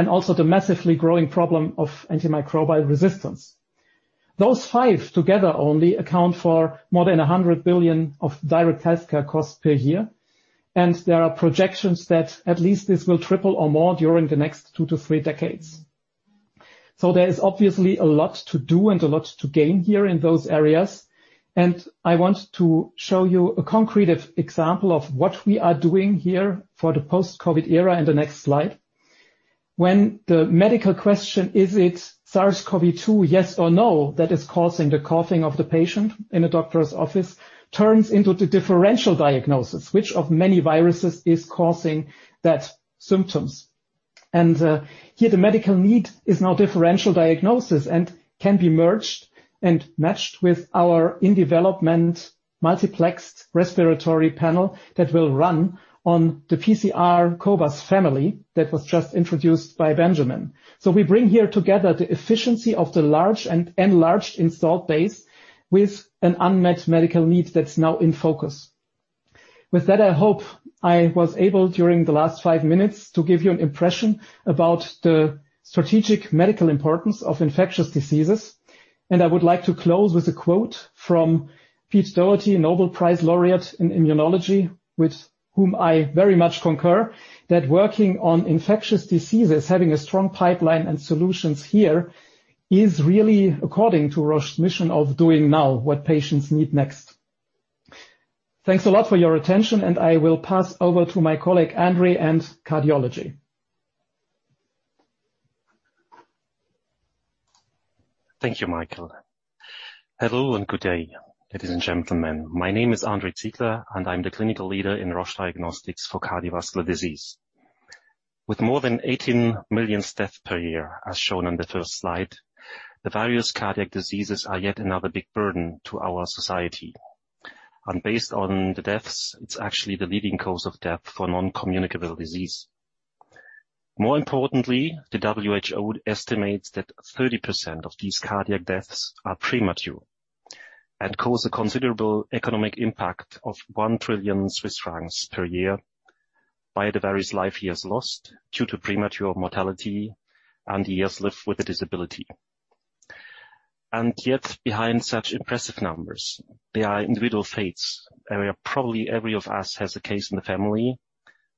Also the massively growing problem of antimicrobial resistance. Those five together only account for more than $100 billion of direct healthcare costs per year. There are projections that at least this will triple or more during the next two to three decades. There is obviously a lot to do and a lot to gain here in those areas. I want to show you a concrete example of what we are doing here for the post-COVID era in the next slide. When the medical question, is it SARS-CoV-2, yes or no, that is causing the coughing of the patient in a doctor's office, turns into the differential diagnosis, which of many viruses is causing that symptoms. Here, the medical need is now differential diagnosis and can be merged and matched with our in-development, multiplexed respiratory panel that will run on the PCR cobas family, that was just introduced by Benjamin. We bring here together the efficiency of the large and enlarged installed base, with an unmet medical need that's now in focus. With that, I hope I was able, during the last 5 minutes, to give you an impression about the strategic medical importance of infectious diseases. I would like to close with a quote from Peter Doherty, a Nobel Prize laureate in immunology, with whom I very much concur, that working on infectious diseases, having a strong pipeline and solutions here, is really according to Roche's mission of doing now what patients need next. Thanks a lot for your attention. I will pass over to my colleague, Andre, and cardiology. Thank you, Michael. Hello, good day, ladies and gentlemen. My name is Andre Ziegler, I'm the clinical leader in Roche Diagnostics for cardiovascular disease. With more than 18 million deaths per year, as shown on the first slide, the various cardiac diseases are yet another big burden to our society. Based on the deaths, it's actually the leading cause of death for non-communicable disease. More importantly, the WHO estimates that 30% of these cardiac deaths are premature, cause a considerable economic impact of 1 trillion Swiss francs per year by the various life years lost due to premature mortality and years lived with a disability. Yet, behind such impressive numbers, there are individual fates, where probably every of us has a case in the family,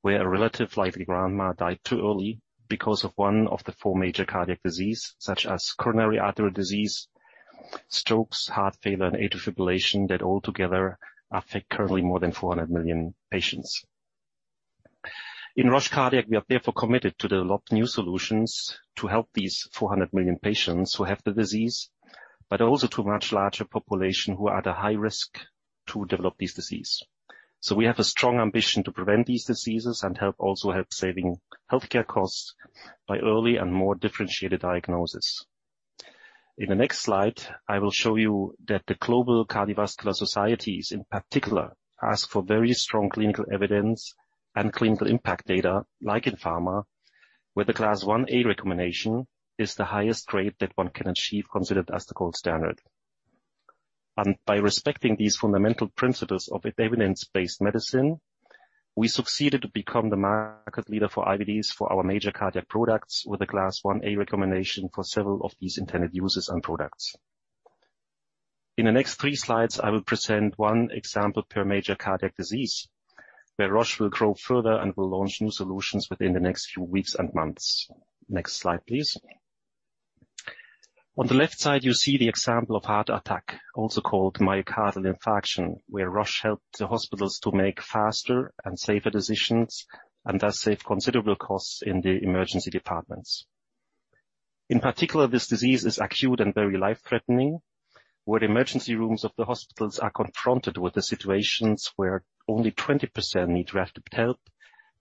where a relative, like the grandma, died too early because of one of the four major cardiac disease, such as coronary artery disease, strokes, heart failure, and atrial fibrillation, that altogether affect currently more than 400 million patients. In Roche cardiac, we are therefore committed to develop new solutions to help these 400 million patients who have the disease, but also to a much larger population who are at a high risk to develop this disease. We have a strong ambition to prevent these diseases and also help saving healthcare costs by early and more differentiated diagnosis. In the next slide, I will show you that the global cardiovascular societies, in particular, ask for very strong clinical evidence and clinical impact data, like in pharma, where the Class I-A recommendation is the highest grade that 1 can achieve, considered as the gold standard. By respecting these fundamental principles of evidence-based medicine, we succeeded to become the market leader for IVDs for our major cardiac products, with a Class I-A recommendation for several of these intended uses and products. In the next 3 slides, I will present 1 example per major cardiac disease, where Roche will grow further and will launch new solutions within the next few weeks and months. Next slide, please. On the left side, you see the example of heart attack, also called myocardial infarction, where Roche helped the hospitals to make faster and safer decisions, and thus, save considerable costs in the emergency departments. In particular, this disease is acute and very life-threatening, where the emergency rooms of the hospitals are confronted with the situations where only 20% need rapid help,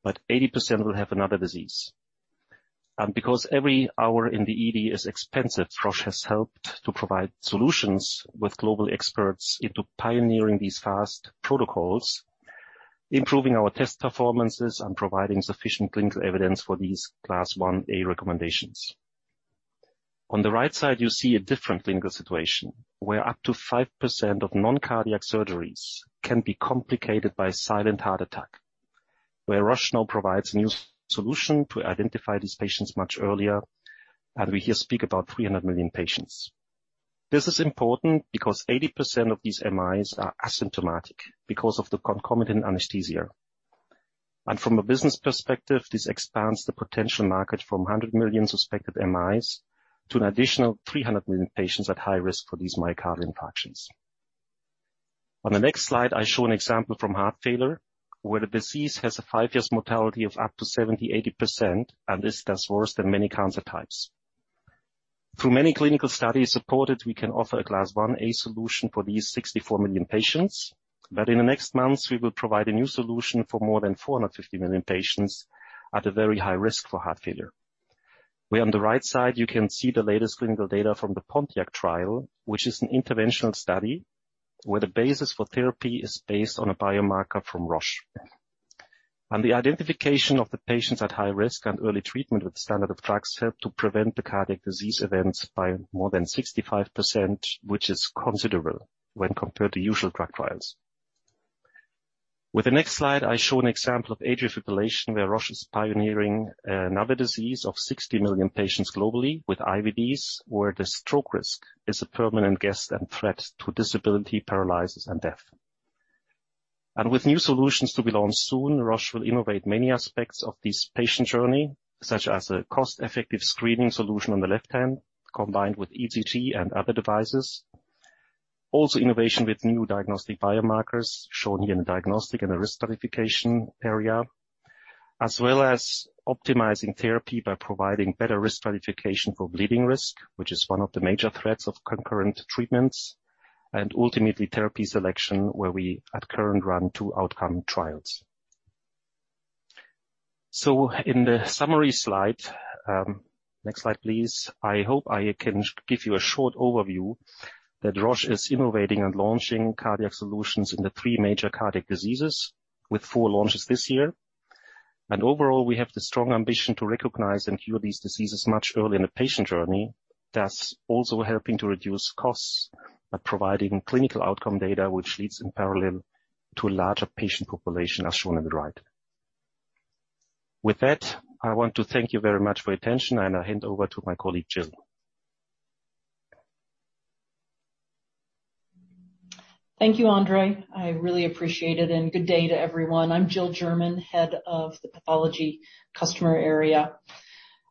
but 80% will have another disease. Because every hour in the ED is expensive, Roche has helped to provide solutions with global experts into pioneering these fast protocols, improving our test performances, and providing sufficient clinical evidence for these Class I-A recommendations. On the right side, you see a different clinical situation, where up to 5% of non-cardiac surgeries can be complicated by a silent heart attack, where Roche now provides a new solution to identify these patients much earlier, and we here speak about 300 million patients. This is important because 80% of these MIs are asymptomatic because of the concomitant anesthesia. From a business perspective, this expands the potential market from 100 million suspected MIs to an additional 300 million patients at high risk for these myocardial infarctions. On the next slide, I show an example from heart failure, where the disease has a 5-years mortality of up to 70%-80%, and is thus worse than many cancer types. Through many clinical studies supported, we can offer a Class I-A solution for these 64 million patients. In the next months, we will provide a new solution for more than 450 million patients at a very high risk for heart failure. Where on the right side, you can see the latest clinical data from the PONENTE trial, which is an interventional study, where the basis for therapy is based on a biomarker from Roche. The identification of the patients at high risk and early treatment with standard of drugs, help to prevent the cardiac disease events by more than 65%, which is considerable when compared to usual drug trials. The next slide, I show an example of atrial fibrillation, where Roche is pioneering another disease of 60 million patients globally with IVDs, where the stroke risk is a permanent guest and threat to disability, paralysis, and death. With new solutions to be launched soon, Roche will innovate many aspects of this patient journey, such as a cost-effective screening solution on the left hand, combined with ECG and other devices. Innovation with new diagnostic biomarkers, shown here in the diagnostic and the risk stratification area, as well as optimizing therapy by providing better risk stratification for bleeding risk, which is one of the major threats of concurrent treatments, and ultimately therapy selection, where we at current run two outcome trials. In the summary slide, next slide, please. I hope I can give you a short overview that Roche is innovating and launching cardiac solutions in the three major cardiac diseases with four launches this year. Overall, we have the strong ambition to recognize and cure these diseases much early in the patient journey, thus also helping to reduce costs by providing clinical outcome data, which leads in parallel to a larger patient population, as shown on the right. With that, I want to thank you very much for your attention, and I'll hand over to my colleague, Jill. Thank you, Andre. I really appreciate it. Good day to everyone. I'm Jill German, head of the pathology customer area.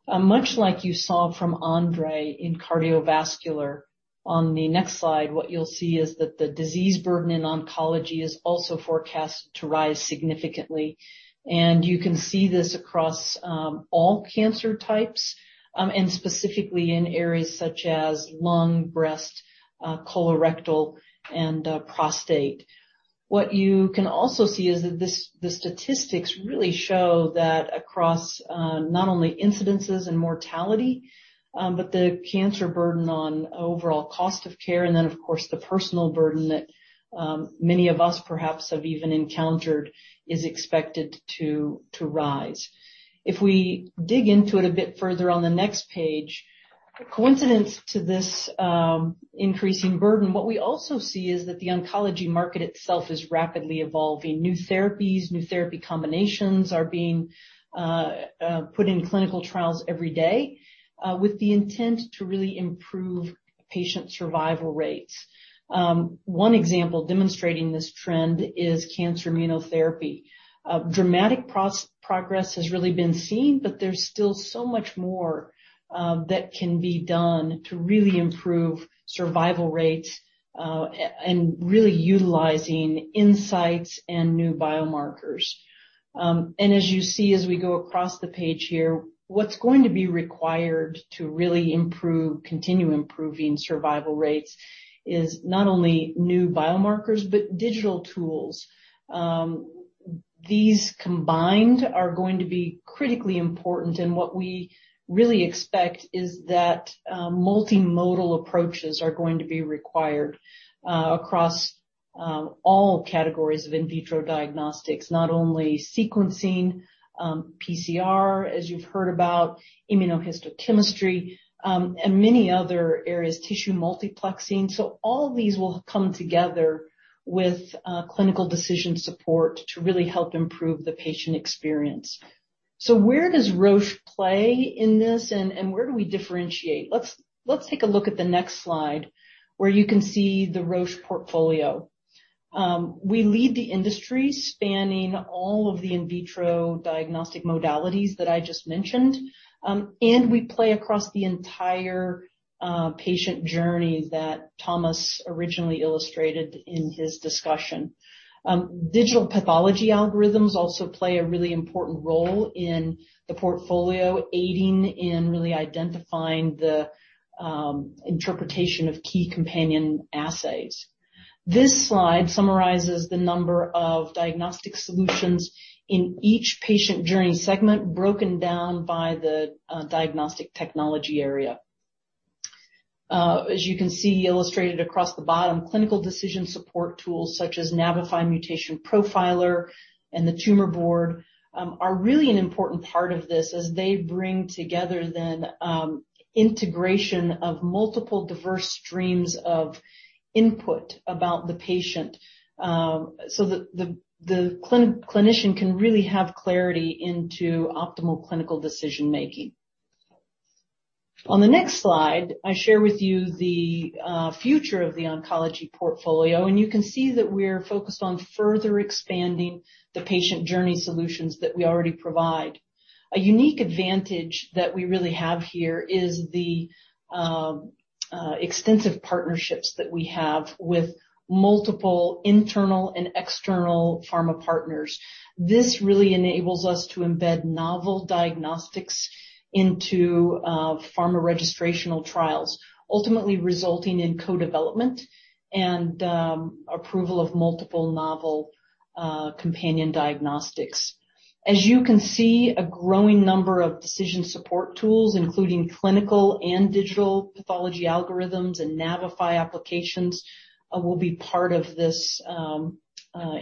Much like you saw from Andre in cardiovascular, on the next slide, what you'll see is that the disease burden in oncology is also forecast to rise significantly. You can see this across all cancer types, and specifically in areas such as lung, breast, colorectal, and prostate. What you can also see is that the statistics really show that across not only incidences and mortality, but the cancer burden on overall cost of care, and then, of course, the personal burden that many of us perhaps have even encountered, is expected to rise. If we dig into it a bit further on the next page, coincidence to this, increasing burden, what we also see is that the oncology market itself is rapidly evolving. New therapies, new therapy combinations are being put in clinical trials every day, with the intent to really improve patient survival rates. One example demonstrating this trend is cancer immunotherapy. Dramatic progress has really been seen, but there's still so much more that can be done to really improve survival rates and really utilizing insights and new biomarkers. As you see, as we go across the page here, what's going to be required to really continue improving survival rates is not only new biomarkers, but digital tools. These combined are going to be critically important, what we really expect is that multimodal approaches are going to be required across all categories of in vitro diagnostics, not only sequencing, PCR, as you've heard about immunohistochemistry, and many other areas, tissue multiplexing. All of these will come together with clinical decision support to really help improve the patient experience. Where does Roche play in this, and where do we differentiate? Let's take a look at the next slide, where you can see the Roche portfolio. We lead the industry, spanning all of the in vitro diagnostic modalities that I just mentioned. We play across the entire patient journey that Thomas originally illustrated in his discussion. Digital pathology algorithms also play a really important role in the portfolio, aiding in really identifying the interpretation of key companion assays. This slide summarizes the number of diagnostic solutions in each patient journey segment, broken down by the diagnostic technology area. As you can see illustrated across the bottom, clinical decision support tools such as Navify Mutation Profiler and the Tumor Board are really an important part of this, as they bring together then integration of multiple diverse streams of input about the patient so that the clinician can really have clarity into optimal clinical decision-making. On the next slide, I share with you the future of the oncology portfolio. You can see that we're focused on further expanding the patient journey solutions that we already provide. A unique advantage that we really have here is the extensive partnerships that we have with multiple internal and external pharma partners. This really enables us to embed novel diagnostics into pharma registrational trials, ultimately resulting in co-development and approval of multiple novel companion diagnostics. As you can see, a growing number of decision support tools, including clinical and digital pathology algorithms and Navify applications, will be part of this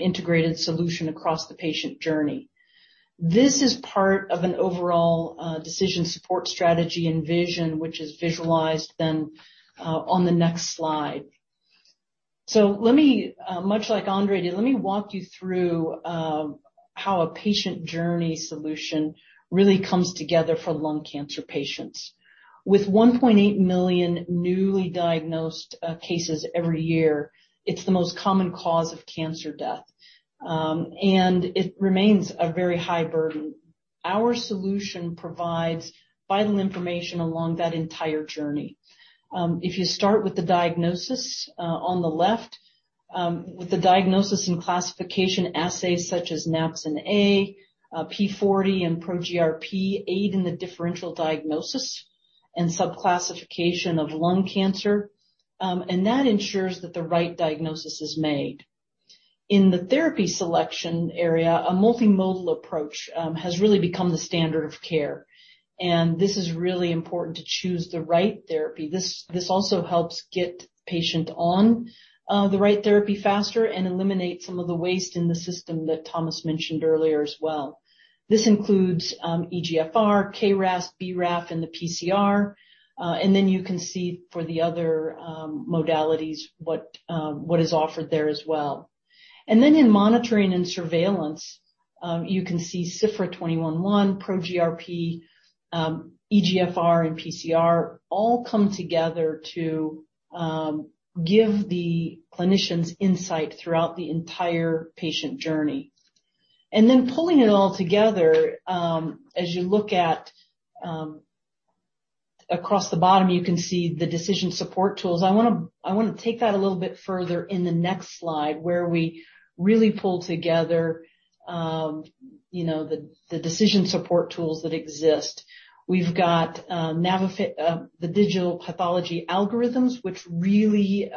integrated solution across the patient journey. This is part of an overall decision support strategy and vision, which is visualized then on the next slide. Let me, much like Andre did, let me walk you through how a patient journey solution really comes together for lung cancer patients. With 1.8 million newly diagnosed cases every year, it's the most common cause of cancer death. It remains a very high burden. Our solution provides vital information along that entire journey. If you start with the diagnosis, on the left, with the diagnosis and classification assays such as Napsin A, p40, and ProGRP, aid in the differential diagnosis and sub classification of lung cancer. That ensures that the right diagnosis is made. In the therapy selection area, a multimodal approach has really become the standard of care. This is really important to choose the right therapy. This also helps get patient on the right therapy faster. Eliminate some of the waste in the system that Thomas mentioned earlier as well. This includes EGFR, KRAS, BRAF, and the PCR. Then you can see for the other modalities, what is offered there as well. In monitoring and surveillance, you can see CYFRA 21-1, ProGRP, EGFR, and PCR all come together to give the clinicians insight throughout the entire patient journey. Pulling it all together, as you look at across the bottom, you can see the decision support tools. I want to take that a little bit further in the next slide, where we really pull together, you know, the decision support tools that exist. We've got the digital pathology algorithms, which really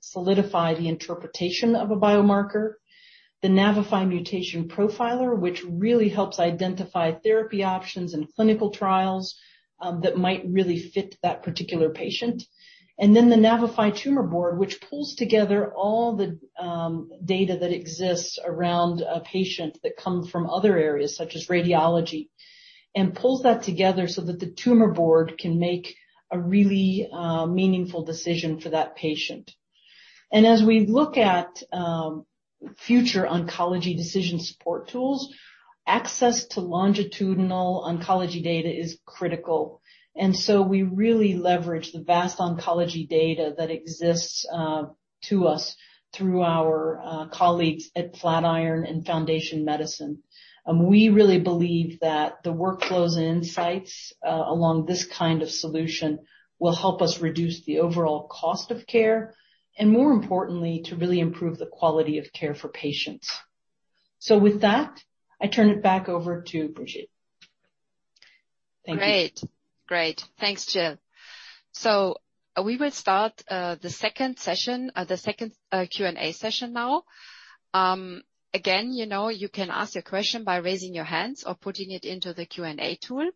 solidify the interpretation of a biomarker. The Navify Mutation Profiler, which really helps identify therapy options and clinical trials that might really fit that particular patient. The Navify Tumor Board, which pulls together all the data that exists around a patient that come from other areas, such as radiology, and pulls that together so that the tumor board can make a really meaningful decision for that patient. As we look at future oncology decision support tools, access to longitudinal oncology data is critical. We really leverage the vast oncology data that exists to us through our colleagues at Flatiron and Foundation Medicine. We really believe that the workflows and insights along this kind of solution will help us reduce the overall cost of care, and more importantly, to really improve the quality of care for patients. With that, I turn it back over to Birgit. Thank you. Great, thanks, Jill. We will start the second session, the second Q&A session now. Again, you know, you can ask your question by raising your hands or putting it into the Q&A tool.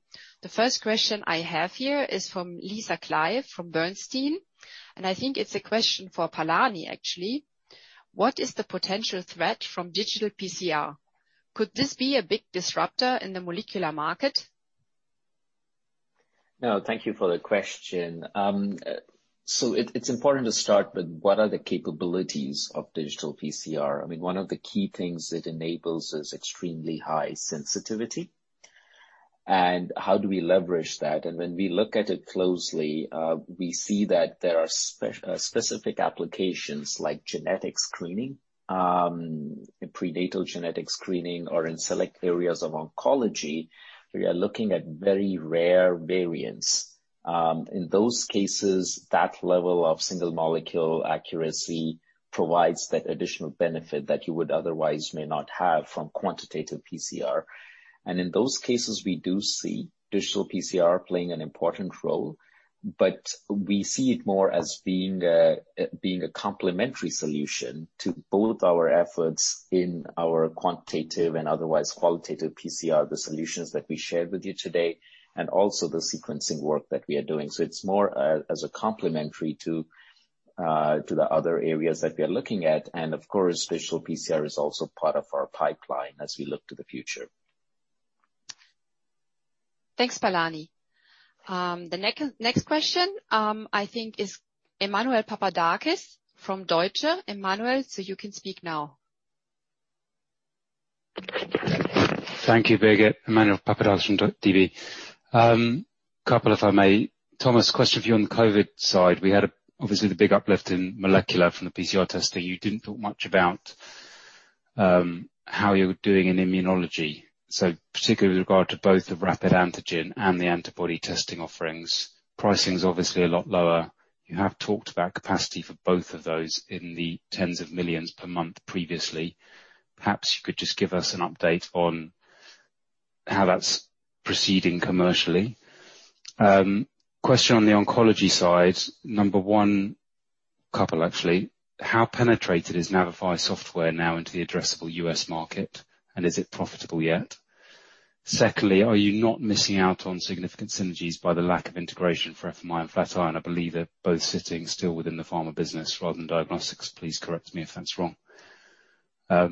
The first question I have here is from Lisa Clive, from Bernstein, and I think it's a question for Palani, actually. What is the potential threat from digital PCR? Could this be a big disruptor in the molecular market? Thank you for the question. It's important to start with what are the capabilities of digital PCR. I mean, one of the key things it enables is extremely high sensitivity, and how do we leverage that? When we look at it closely, we see that there are specific applications like genetic screening, prenatal genetic screening, or in select areas of oncology, we are looking at very rare variants. In those cases, that level of single molecule accuracy provides that additional benefit that you would otherwise may not have from quantitative PCR. In those cases, we do see digital PCR playing an important role, but we see it more as being a complementary solution to both our efforts in our quantitative and otherwise qualitative PCR, the solutions that we shared with you today, and also the sequencing work that we are doing. It's more as a complementary to the other areas that we are looking at. Of course, digital PCR is also part of our pipeline as we look to the future. Thanks, Palani. Next question, I think is Emmanuel Papadakis from Deutsche. Emmanuel, you can speak now. Thank you, Birgit. Emmanuel Papadakis from DB. Couple, if I may. Thomas, question for you on the COVID side. We had, obviously, the big uplift in molecular from the PCR testing. You didn't talk much about, how you're doing in immunology. Particularly with regard to both the rapid antigen and the antibody testing offerings, pricing is obviously a lot lower. You have talked about capacity for both of those in the tens of millions per month previously. Perhaps you could just give us an update on how that's proceeding commercially. Question on the oncology side, number one, couple, actually. How penetrated is Navify software now into the addressable U.S. market, and is it profitable yet? Secondly, are you not missing out on significant synergies by the lack of integration for FMI and Flatiron? I believe they're both sitting still within the pharma business rather than diagnostics. Please correct me if that's wrong. I'll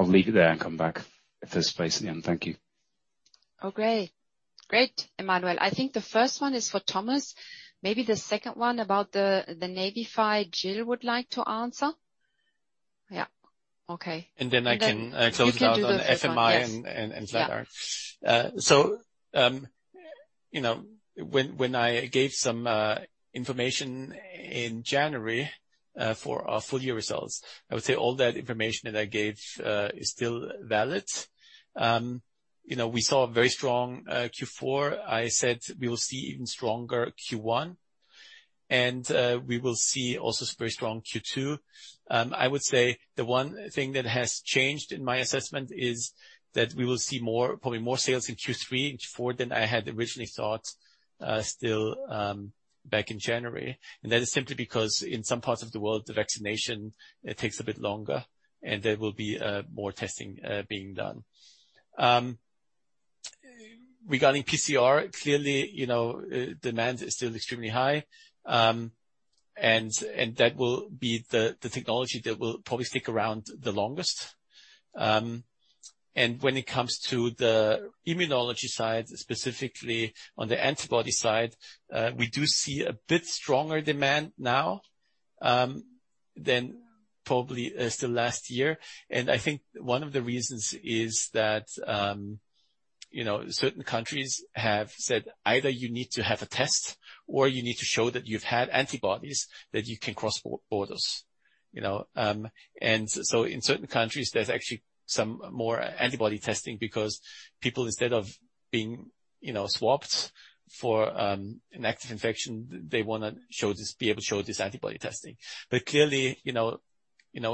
leave it there and come back if there's space at the end. Thank you. Oh, great. Great, Emmanuel. I think the first one is for Thomas. Maybe the second one about the Navify, Jill would like to answer. Yeah. Okay. Then I can. You can do- close out on the FMI and Flatiron. Yes. Yeah. Uh, so, um- You know, when I gave some information in January, for our full year results, I would say all that information that I gave, is still valid. You know, we saw a very strong Q4. I said we will see even stronger Q1, and we will see also very strong Q2. I would say the one thing that has changed in my assessment is that we will see probably more sales in Q3 and Q4 than I had originally thought, still, back in January. That is simply because in some parts of the world, the vaccination, it takes a bit longer, and there will be more testing being done. Regarding PCR, clearly, you know, demand is still extremely high, and that will be the technology that will probably stick around the longest. When it comes to the immunology side, specifically on the antibody side, we do see a bit stronger demand now than probably still last year. I think one of the reasons is that, you know, certain countries have said, either you need to have a test or you need to show that you've had antibodies, that you can cross borders, you know? In certain countries, there's actually some more antibody testing because people, instead of being, you know, swabbed for an active infection, they wanna be able to show this antibody testing. Clearly, you know,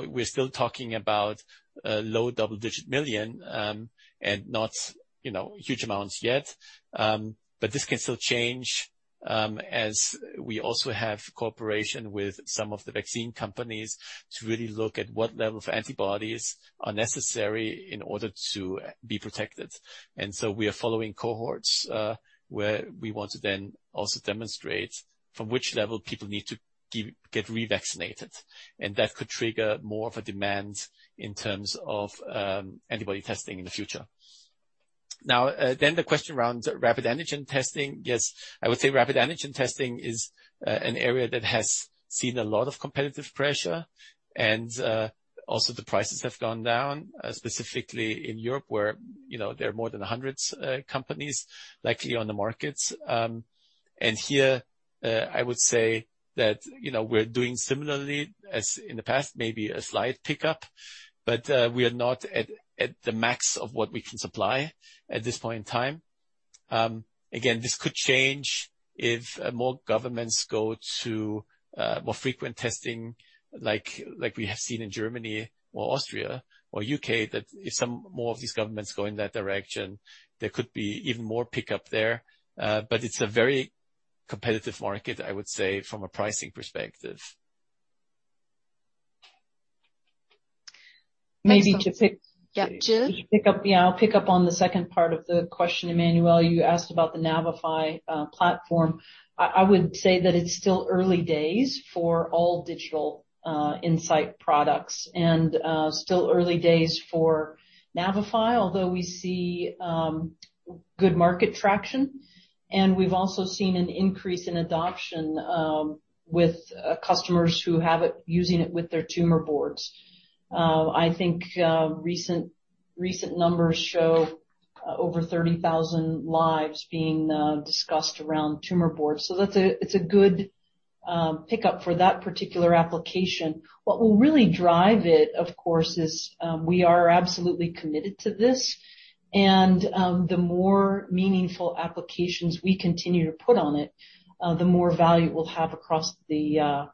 we're still talking about low double-digit million, and not, you know, huge amounts yet. This can still change, as we also have cooperation with some of the vaccine companies to really look at what level of antibodies are necessary in order to be protected. So we are following cohorts, where we want to then also demonstrate from which level people need to get revaccinated, and that could trigger more of a demand in terms of antibody testing in the future. Then the question around rapid antigen testing. Yes, I would say rapid antigen testing is an area that has seen a lot of competitive pressure, and also the prices have gone down specifically in Europe, where, you know, there are more than 100 companies likely on the markets. Here, I would say that, you know, we're doing similarly as in the past, maybe a slight pickup, but we are not at the max of what we can supply at this point in time. This could change if more governments go to more frequent testing, like we have seen in Germany or Austria or U.K., that if some more of these governments go in that direction, there could be even more pickup there. It's a very competitive market, I would say, from a pricing perspective. Maybe to pick- Yeah, Jill? Yeah, I'll pick up on the second part of the question, Emmanuel. You asked about the Navify platform. I would say that it's still early days for all digital insight products and still early days for Navify, although we see good market traction, and we've also seen an increase in adoption with customers who have it, using it with their tumor boards. I think recent numbers show over 30,000 lives being discussed around tumor boards, so that's a good pickup for that particular application. What will really drive it, of course, is, we are absolutely committed to this, and the more meaningful applications we continue to put on it, the more value it will have across the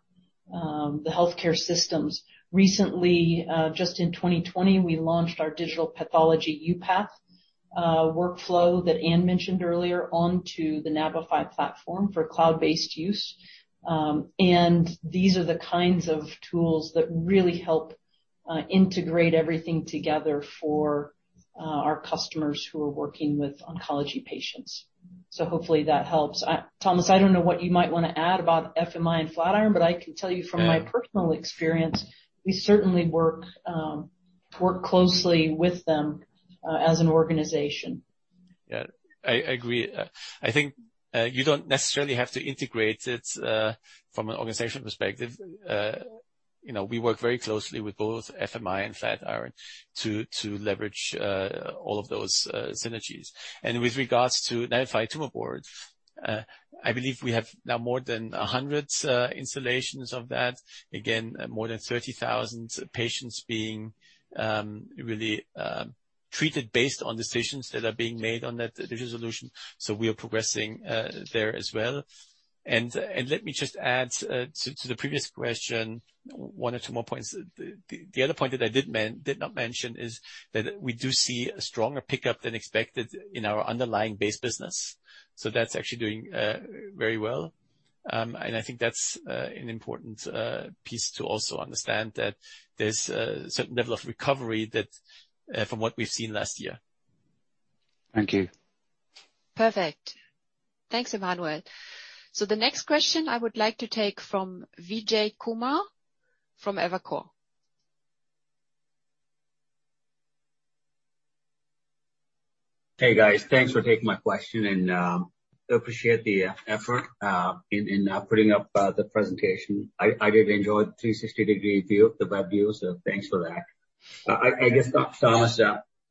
healthcare systems. Recently, just in 2020, we launched our digital pathology uPath workflow that Ann mentioned earlier, onto the Navify platform for cloud-based use. These are the kinds of tools that really help integrate everything together for our customers who are working with oncology patients. Hopefully that helps. Thomas, I don't know what you might want to add about FMI and Flatiron, but I can tell you from my personal experience, we certainly work closely with them as an organization. Yeah, I agree. I think you don't necessarily have to integrate it from an organizational perspective. you know, we work very closely with both FMI and Flatiron to leverage all of those synergies. With regards to Navify Tumor Board, I believe we have now more than 100 installations of that. Again, more than 30,000 patients being really treated based on decisions that are being made on that digital solution. We are progressing there as well. Let me just add to the previous question, one or two more points. The other point that I did not mention is that we do see a stronger pickup than expected in our underlying base business. That's actually doing very well. I think that's an important piece to also understand, that there's a certain level of recovery that from what we've seen last year. Thank you. Perfect. Thanks, Emmanuel. The next question I would like to take from Vijay Kumar from Evercore. Hey, guys. Thanks for taking my question, and I appreciate the effort in putting up the presentation. I did enjoy the 360-degree view, the web view, so thanks for that. I guess Thomas,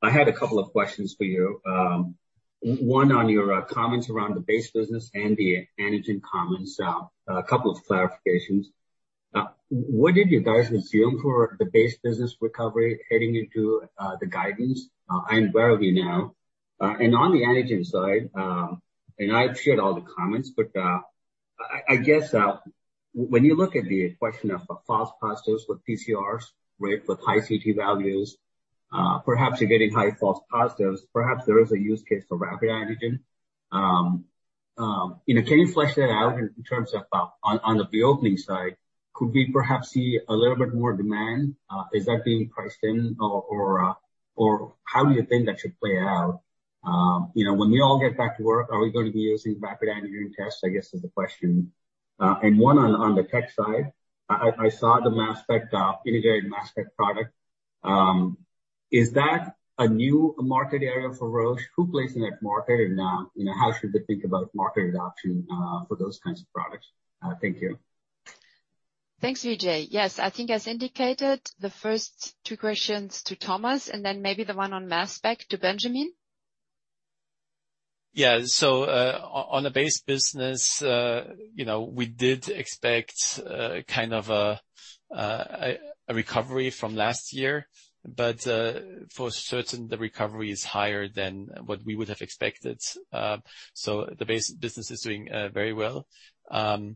I had a couple of questions for you. One on your comments around the base business and the antigen comments. A couple of clarifications. What did you guys assume for the base business recovery heading into the guidance? Where are we now? On the antigen side, and I've shared all the comments, but I guess when you look at the question of false positives with PCRs, right, with high Ct values, perhaps you're getting high false positives, perhaps there is a use case for rapid antigen. you know, can you flesh that out in terms of the reopening side, could we perhaps see a little bit more demand? Is that being priced in or how do you think that should play out? you know, when we all get back to work, are we going to be using rapid antigen tests, I guess, is the question. One on the tech side, I saw the mass spec integrated mass spec product. Is that a new market area for Roche? Who plays in that market? you know, how should they think about market adoption for those kinds of products? Thank you. Thanks, Vijay. Yes, I think as indicated, the first two questions to Thomas, and then maybe the one on mass spec to Benjamin. Yeah. On the base business, you know, we did expect kind of a recovery from last year, but for certain, the recovery is higher than what we would have expected. So the base business is doing very well. I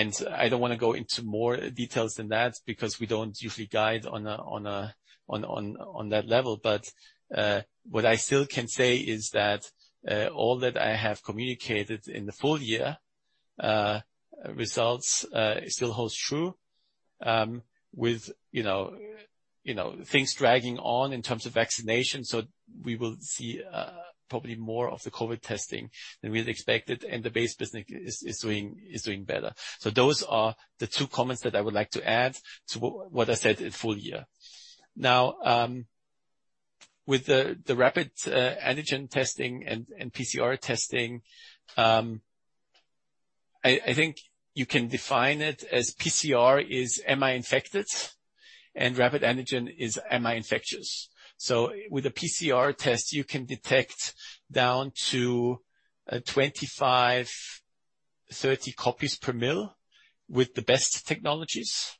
don't want to go into more details than that because we don't usually guide on that level. What I still can say is that all that I have communicated in the full year results still holds true. With, you know, things dragging on in terms of vaccination, so we will see probably more of the COVID testing than we had expected, and the base business is doing better. Those are the two comments that I would like to add to what I said in full year. Now, with the rapid antigen testing and PCR testing, I think you can define it as PCR is am I infected? Rapid antigen is am I infectious? With a PCR test, you can detect down to 25, 30 copies per mil with the best technologies.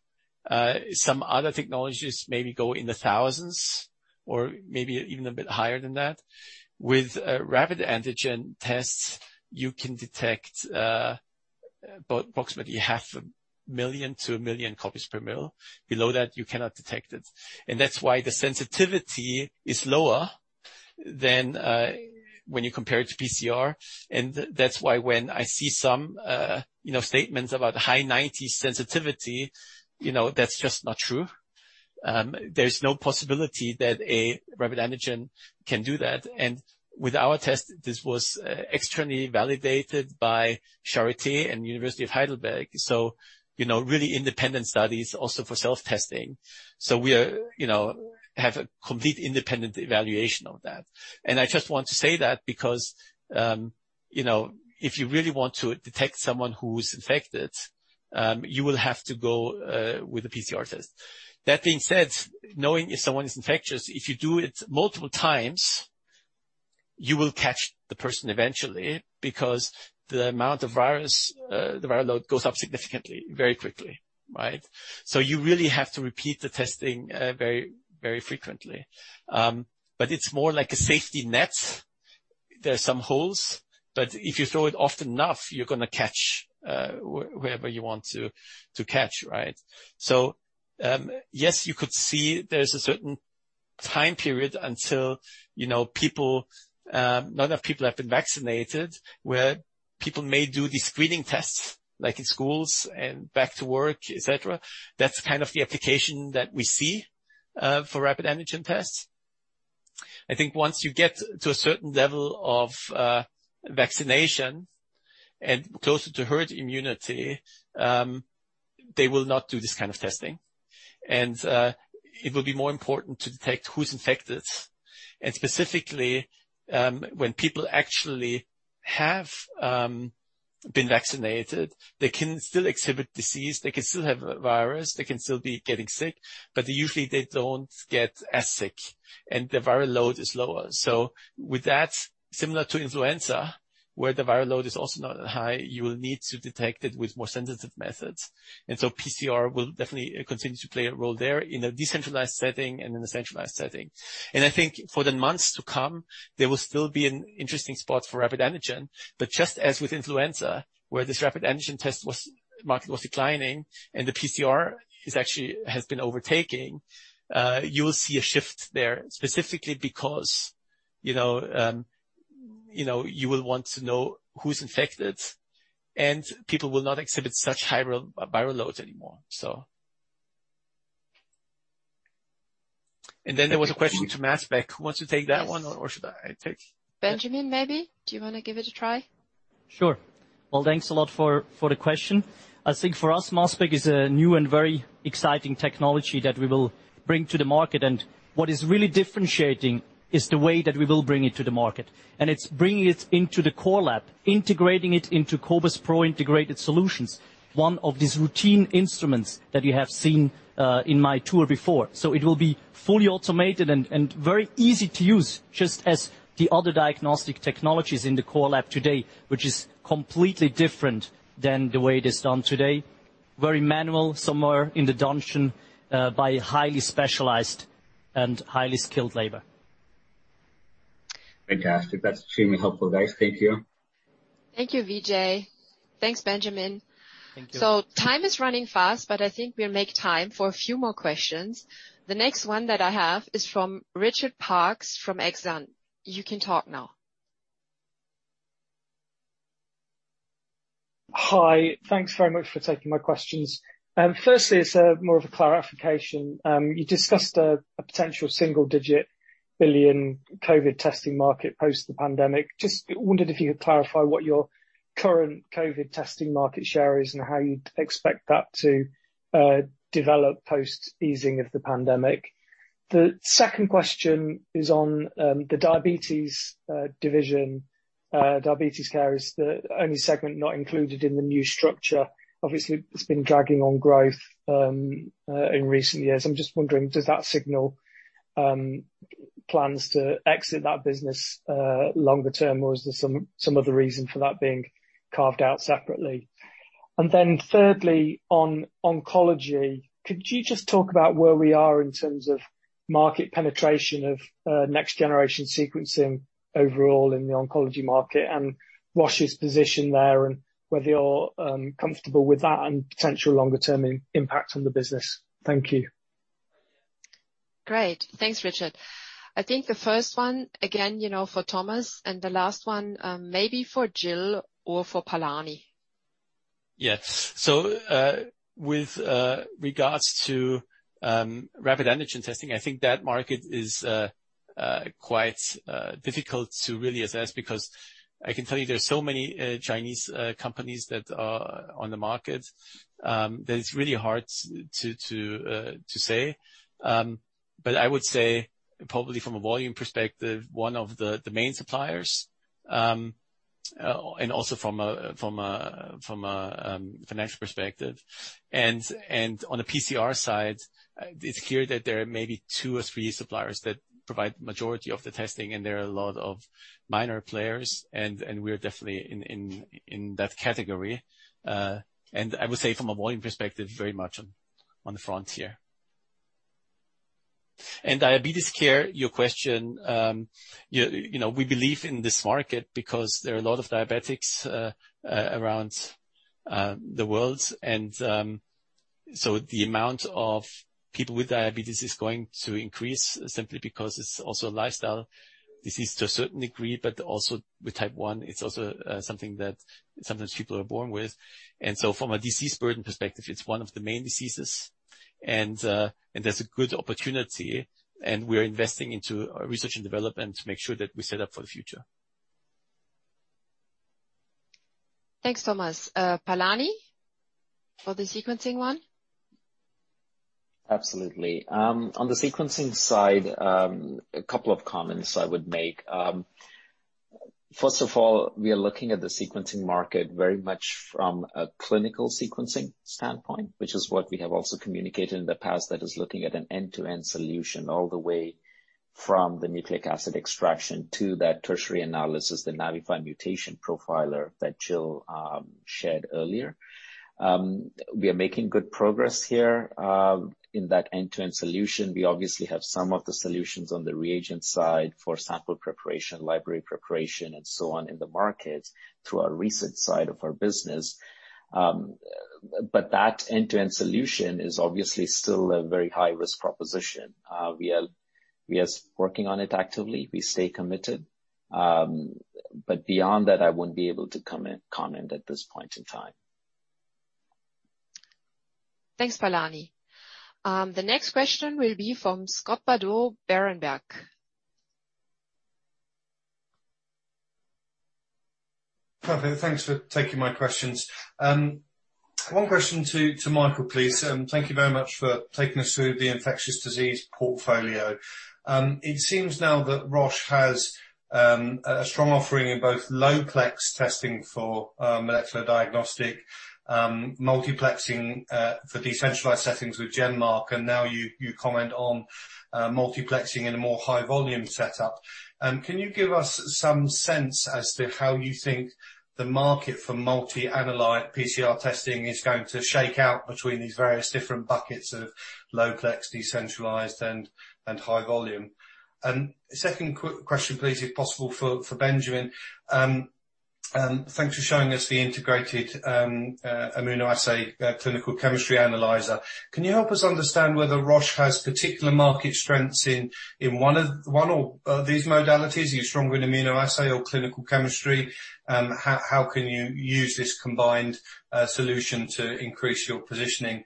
Some other technologies maybe go in the thousands or maybe even a bit higher than that. With rapid antigen tests, you can detect approximately half a million to a million copies per mil. Below that, you cannot detect it, and that's why the sensitivity is lower than when you compare it to PCR, and that's why when I see some, you know, statements about high nineties sensitivity, you know, that's just not true. There's no possibility that a rapid antigen can do that, and with our test, this was externally validated by Charité and University of Heidelberg, so, you know, really independent studies also for self-testing. So we are, you know, have a complete independent evaluation of that. I just want to say that because, you know, if you really want to detect someone who's infected, you will have to go with a PCR test. That being said, knowing if someone is infectious, if you do it multiple times, you will catch the person eventually because the amount of virus, the viral load goes up significantly, very quickly, right? You really have to repeat the testing, very frequently. It's more like a safety net. There are some holes, if you throw it often enough, you're gonna catch whoever you want to catch, right? Yes, you could see there's a certain time period until, you know, people, enough people have been vaccinated, where people may do these screening tests, like in schools and back to work, et cetera. That's kind of the application that we see for rapid antigen tests. I think once you get to a certain level of vaccination and closer to herd immunity, they will not do this kind of testing, and it will be more important to detect who's infected. Specifically, when people actually have been vaccinated, they can still exhibit disease, they can still have a virus, they can still be getting sick, but usually they don't get as sick, and the viral load is lower. With that, similar to influenza, where the viral load is also not that high, you will need to detect it with more sensitive methods. PCR will definitely continue to play a role there in a decentralized setting and in a centralized setting. I think for the months to come, there will still be an interesting spot for rapid antigen. Just as with influenza, where this rapid antigen test was, market was declining and the PCR is actually, has been overtaking, you'll see a shift there, specifically because, you know, you will want to know who's infected, and people will not exhibit such high viral loads anymore. There was a question to mass spec. Who wants to take that one? Yes. Should I take? Benjamin, maybe? Do you want to give it a try? Sure. Well, thanks a lot for the question. I think for us, mass spec is a new and very exciting technology that we will bring to the market. What is really differentiating is the way that we will bring it to the market, and it's bringing it into the core lab, integrating it into cobas pro integrated solutions, one of these routine instruments that you have seen, in my tour before. It will be fully automated and very easy to use, just as the other diagnostic technologies in the core lab today, which is completely different than the way it is done today. Very manual, somewhere in the dungeon, by highly specialized and highly skilled labor. Fantastic. That's extremely helpful, guys. Thank you. Thank you, Vijay. Thanks, Benjamin. Thank you. Time is running fast, but I think we'll make time for a few more questions. The next one that I have is from Richard Parkes, from Exane You can talk now. Hi, thanks very much for taking my questions. Firstly, it's more of a clarification. You discussed a potential single-digit billion COVID testing market post the pandemic. Just wondered if you could clarify what your current COVID testing market share is, and how you'd expect that to develop post easing of the pandemic. The second question is on the diabetes division. Diabetes care is the only segment not included in the new structure. Obviously, it's been dragging on growth in recent years. I'm just wondering, does that signal plans to exit that business longer term, or is there some other reason for that being carved out separately? Thirdly, on oncology, could you just talk about where we are in terms of market penetration of next generation sequencing overall in the oncology market, and what's your position there, and whether you're comfortable with that and potential longer-term impact on the business? Thank you. Great. Thanks, Richard. I think the first one, again, you know, for Thomas, and the last one, maybe for Jill or for Palani. Yes. With regards to rapid antigen testing, I think that market is quite difficult to really assess, because I can tell you there are so many Chinese companies that are on the market, that it's really hard to say. I would say probably from a volume perspective, one of the main suppliers, and also from a financial perspective. On the PCR side, it's clear that there are maybe 2 or 3 suppliers that provide the majority of the testing, and there are a lot of minor players, and we're definitely in that category. I would say from a volume perspective, very much on the frontier. Diabetes care, your question, you know, we believe in this market because there are a lot of diabetics around the world. The amount of people with diabetes is going to increase simply because it's also a lifestyle disease to a certain degree, but also with Type I, it's also something that sometimes people are born with. From a disease burden perspective, it's one of the main diseases. There's a good opportunity. We are investing into our research and development to make sure that we're set up for the future. Thanks, Thomas. Palani, for the sequencing one? Absolutely. On the sequencing side, a couple of comments I would make. First of all, we are looking at the sequencing market very much from a clinical sequencing standpoint, which is what we have also communicated in the past, that is looking at an end-to-end solution all the way from the nucleic acid extraction to that tertiary analysis, the Navify Mutation Profiler that Jill shared earlier. We are making good progress here in that end-to-end solution. We obviously have some of the solutions on the reagent side for sample preparation, library preparation, and so on in the market, through our research side of our business. That end-to-end solution is obviously still a very high-risk proposition. We are working on it actively. We stay committed. Beyond that, I wouldn't be able to comment at this point in time. Thanks, Palani. The next question will be from Scott Bardo, Berenberg. Perfect. Thanks for taking my questions. One question to Michael, please. Thank you very much for taking us through the infectious disease portfolio. It seems now that Roche has a strong offering in both low-plex testing for molecular diagnostic multiplexing for decentralized settings with GenMark, and now you comment on multiplexing in a more high volume setup. Can you give us some sense as to how you think the market for multi-analyte PCR testing is going to shake out between these various different buckets of low-plex, decentralized, and high volume? Second question, please, if possible, for Benjamin. Thanks for showing us the integrated immunoassay clinical chemistry analyzer. Can you help us understand whether Roche has particular market strengths in one of these modalities? Are you stronger in immunoassay or clinical chemistry? How can you use this combined solution to increase your positioning?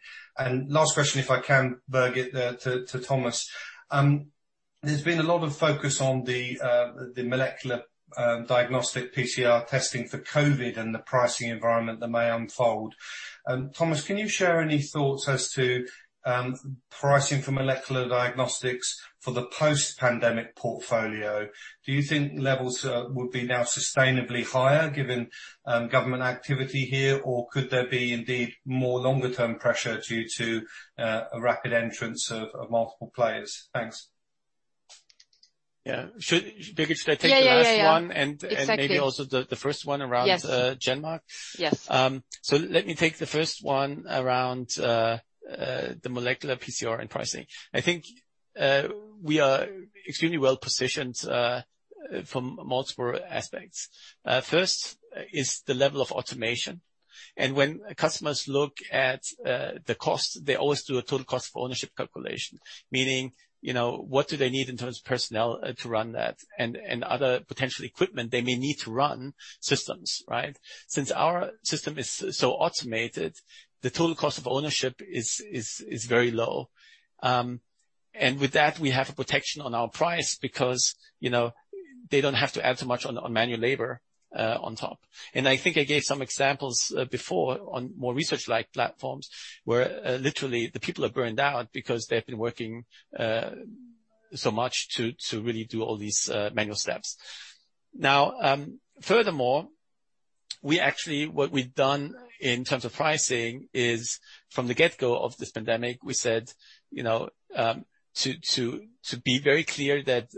Last question, if I can, Birgit, to Thomas. There's been a lot of focus on the molecular diagnostic PCR testing for COVID and the pricing environment that may unfold. Thomas, can you share any thoughts as to pricing for molecular diagnostics for the post-pandemic portfolio? Do you think levels would be now sustainably higher, given government activity here? Or could there be indeed more longer-term pressure due to a rapid entrance of multiple players? Thanks. Yeah. Should, Birgit, should I take the last one? Yeah, yeah. Exactly. maybe also the first one. Yes. GenMark? Yes. Let me take the first one around the molecular PCR and pricing. I think we are extremely well positioned from multiple aspects. First is the level of automation, and when customers look at the cost, they always do a total cost of ownership calculation, meaning, you know, what do they need in terms of personnel to run that and other potential equipment they may need to run systems, right? Since our system is so automated, the total cost of ownership is very low. With that, we have a protection on our price because, you know, they don't have to add so much on manual labor on top. I think I gave some examples before on more research-like platforms, where literally the people are burned out because they've been working so much to really do all these manual steps. Furthermore, we actually what we've done in terms of pricing is from the get-go of this pandemic, we said, you know, to be very clear, that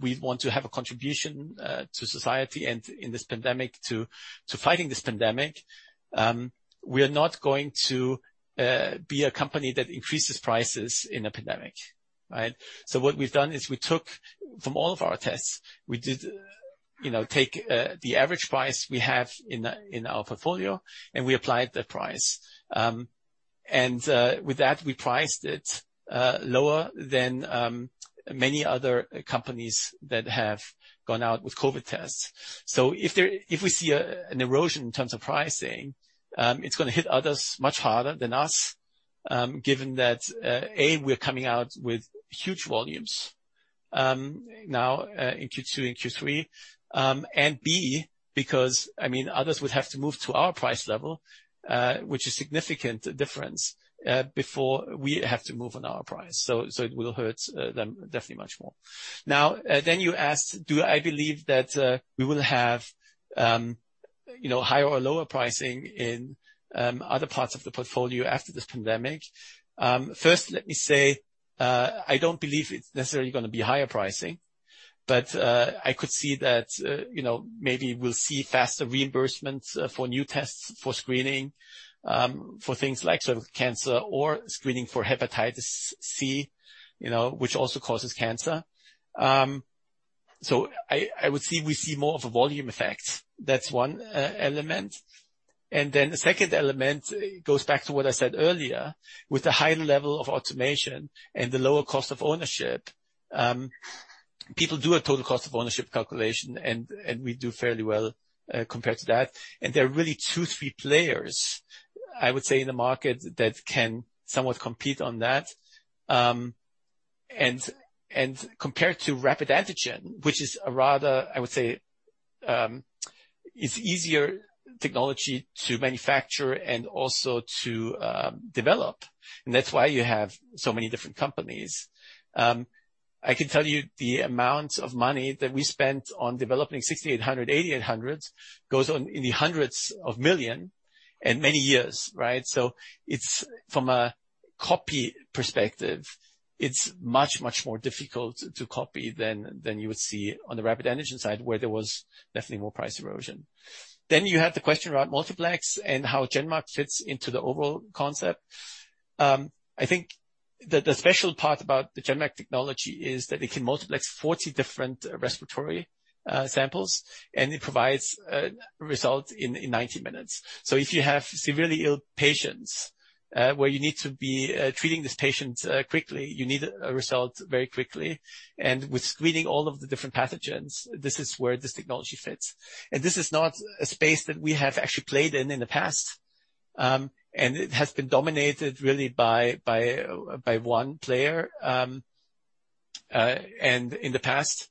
we want to have a contribution to society and in this pandemic, to fighting this pandemic. We are not going to be a company that increases prices in a pandemic, right? What we've done is we took from all of our tests, we did, you know, take the average price we have in our portfolio, and we applied that price. With that, we priced it lower than many other companies that have gone out with COVID tests. If there, if we see an erosion in terms of pricing, it's gonna hit others much harder than us, given that A, we're coming out with huge volumes now in Q2 and Q3. B, because, I mean, others would have to move to our price level, which is significant difference, before we have to move on our price. It will hurt them definitely much more. Then you asked, do I believe that we will have, you know, higher or lower pricing in other parts of the portfolio after this pandemic? First, let me say, I don't believe it's necessarily gonna be higher pricing, but I could see that, you know, maybe we'll see faster reimbursements for new tests, for screening, for things like cervical cancer or screening for hepatitis C, you know, which also causes cancer. I would see we see more of a volume effect. That's one element. The second element goes back to what I said earlier, with the high level of automation and the lower total cost of ownership, people do a total cost of ownership calculation, and we do fairly well, compared to that. There are really two, three players, I would say, in the market that can somewhat compete on that. Compared to rapid antigen, which is a rather, I would say, it's easier technology to manufacture and also to develop, and that's why you have so many different companies. I can tell you the amount of money that we spent on developing cobas 6800, cobas 8800 goes on in the hundreds of million and many years, right? It's from a copy perspective, it's much, much more difficult to copy than you would see on the rapid antigen side, where there was definitely more price erosion. You had the question about multiplex and how GenMark fits into the overall concept. I think the special part about the GenMark technology is that it can multiplex 40 different respiratory samples, and it provides a result in 90 minutes. If you have severely ill patients, where you need to be treating these patients quickly, you need a result very quickly. With screening all of the different pathogens, this is where this technology fits. This is not a space that we have actually played in in the past. It has been dominated really by one player in the past.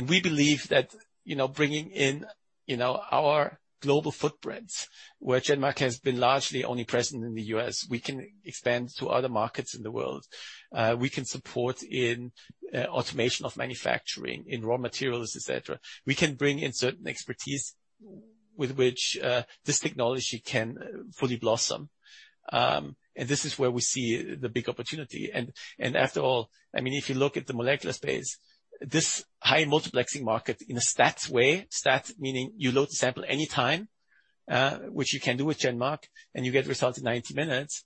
We believe that, you know, bringing in, you know, our global footprints, where GenMark has been largely only present in the U.S., we can expand to other markets in the world. We can support in automation of manufacturing, in raw materials, et cetera. We can bring in certain expertise with which this technology can fully blossom. This is where we see the big opportunity. After all, I mean, if you look at the molecular space, this high multiplexing market in a stat way, stat meaning you load the sample anytime, which you can do with GenMark, and you get results in 90 minutes.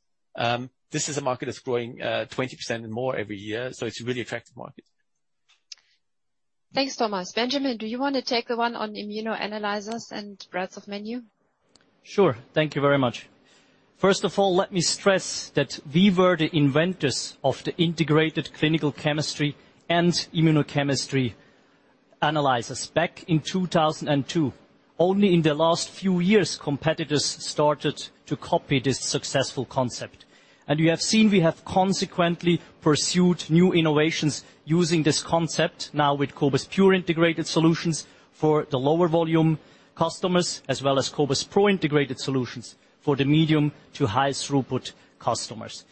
This is a market that's growing 20% and more every year, so it's a really attractive market. Thanks, Thomas. Benjamin, do you want to take the one on immunoassay analyzers and breadth of menu? Sure. Thank you very much. First of all, let me stress that we were the inventors of the integrated clinical chemistry and immunochemistry analyzers back in 2002. Only in the last few years, competitors started to copy this successful concept. You have seen we have consequently pursued new innovations using this concept now with cobas pure integrated solutions for the lower volume customers, as well as cobas pro integrated solutions for the medium to high throughput customers.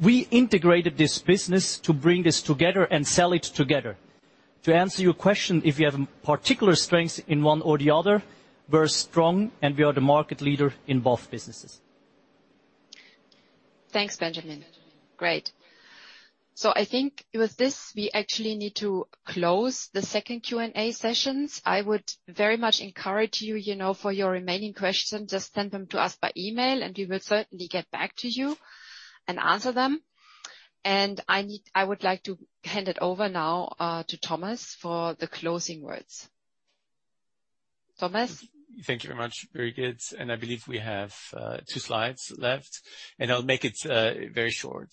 We integrated this business to bring this together and sell it together. To answer your question, if you have particular strengths in one or the other, we're strong and we are the market leader in both businesses. Thanks, Benjamin. Great. I think with this, we actually need to close the second Q&A sessions. I would very much encourage you know, for your remaining questions, just send them to us by email and we will certainly get back to you and answer them. I would like to hand it over now to Thomas for the closing words. Thomas? Thank you very much. Very good. I believe we have two slides left, and I'll make it very short.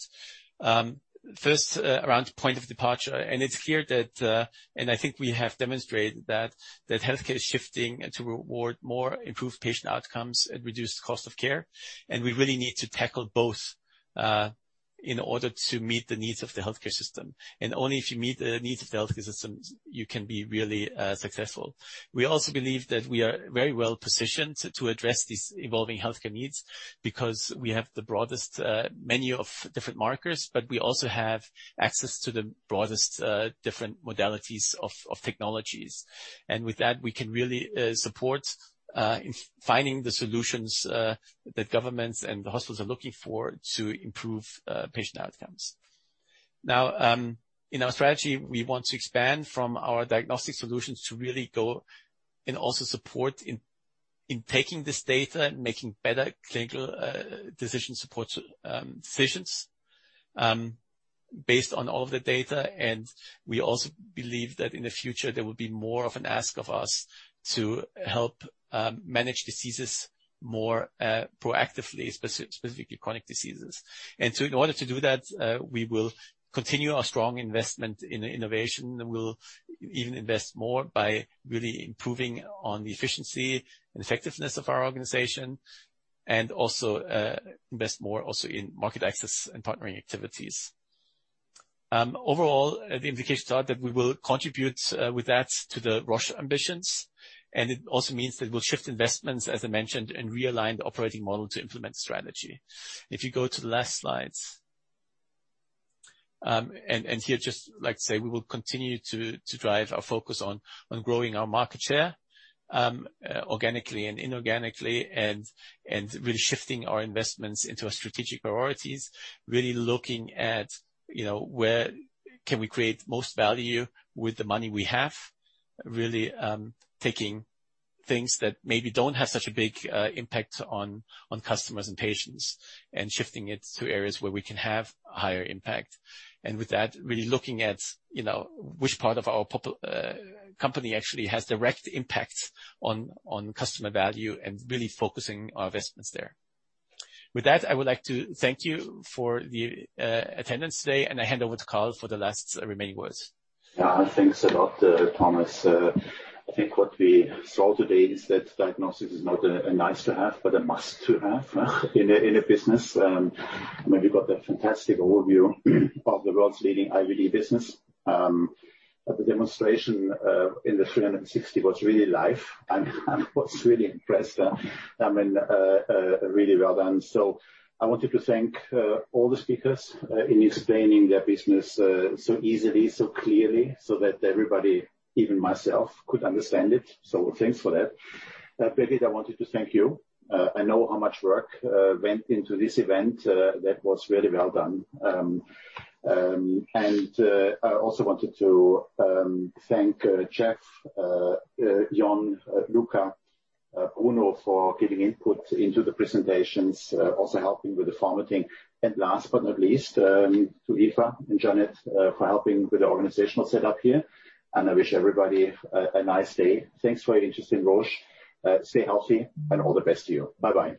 First, around point of departure, it's clear that I think we have demonstrated that healthcare is shifting to reward more improved patient outcomes and reduced cost of care. We really need to tackle both in order to meet the needs of the healthcare system. Only if you meet the needs of the healthcare system, you can be really successful. We also believe that we are very well positioned to address these evolving healthcare needs because we have the broadest menu of different markers, but we also have access to the broadest different modalities of technologies. With that, we can really support in finding the solutions that governments and the hospitals are looking for to improve patient outcomes. In our strategy, we want to expand from our diagnostic solutions to really go and also support in taking this data and making better clinical decision support decisions based on all of the data. We also believe that in the future there will be more of an ask of us to help manage diseases more proactively, specifically chronic diseases. In order to do that, we will continue our strong investment in innovation, and we'll even invest more by really improving on the efficiency and effectiveness of our organization, and also invest more also in market access and partnering activities. Overall, the indications are that we will contribute with that to the Roche ambitions. It also means that we'll shift investments, as I mentioned, and realign the operating model to implement strategy. If you go to the last slides, and here, just like I say, we will continue to drive our focus on growing our market share organically and inorganically, and really shifting our investments into our strategic priorities. Really looking at, you know, where can we create most value with the money we have? Really, taking things that maybe don't have such a big impact on customers and patients, and shifting it to areas where we can have higher impact. With that, really looking at, you know, which part of our pop... company actually has direct impact on customer value and really focusing our investments there. I would like to thank you for the attendance today, and I hand over to Carl for the last remaining words. Thanks a lot, Thomas. I think what we saw today is that diagnosis is not a nice to have, but a must to have in a business. We got a fantastic overview of the world's leading IVD business. The demonstration in the 360 was really live and was really impressive. I mean, really well done. I wanted to thank all the speakers in explaining their business so easily, so clearly, so that everybody, even myself, could understand it. Thanks for that. Peter, I wanted to thank you. I know how much work went into this event. That was very well done. I also wanted to thank Jeff, John, Luca, Uno for giving input into the presentations, also helping with the formatting. Last but not least, to Eva and Janet for helping with the organizational set up here. I wish everybody a nice day. Thanks for your interest in Roche. Stay healthy and all the best to you. Bye-bye.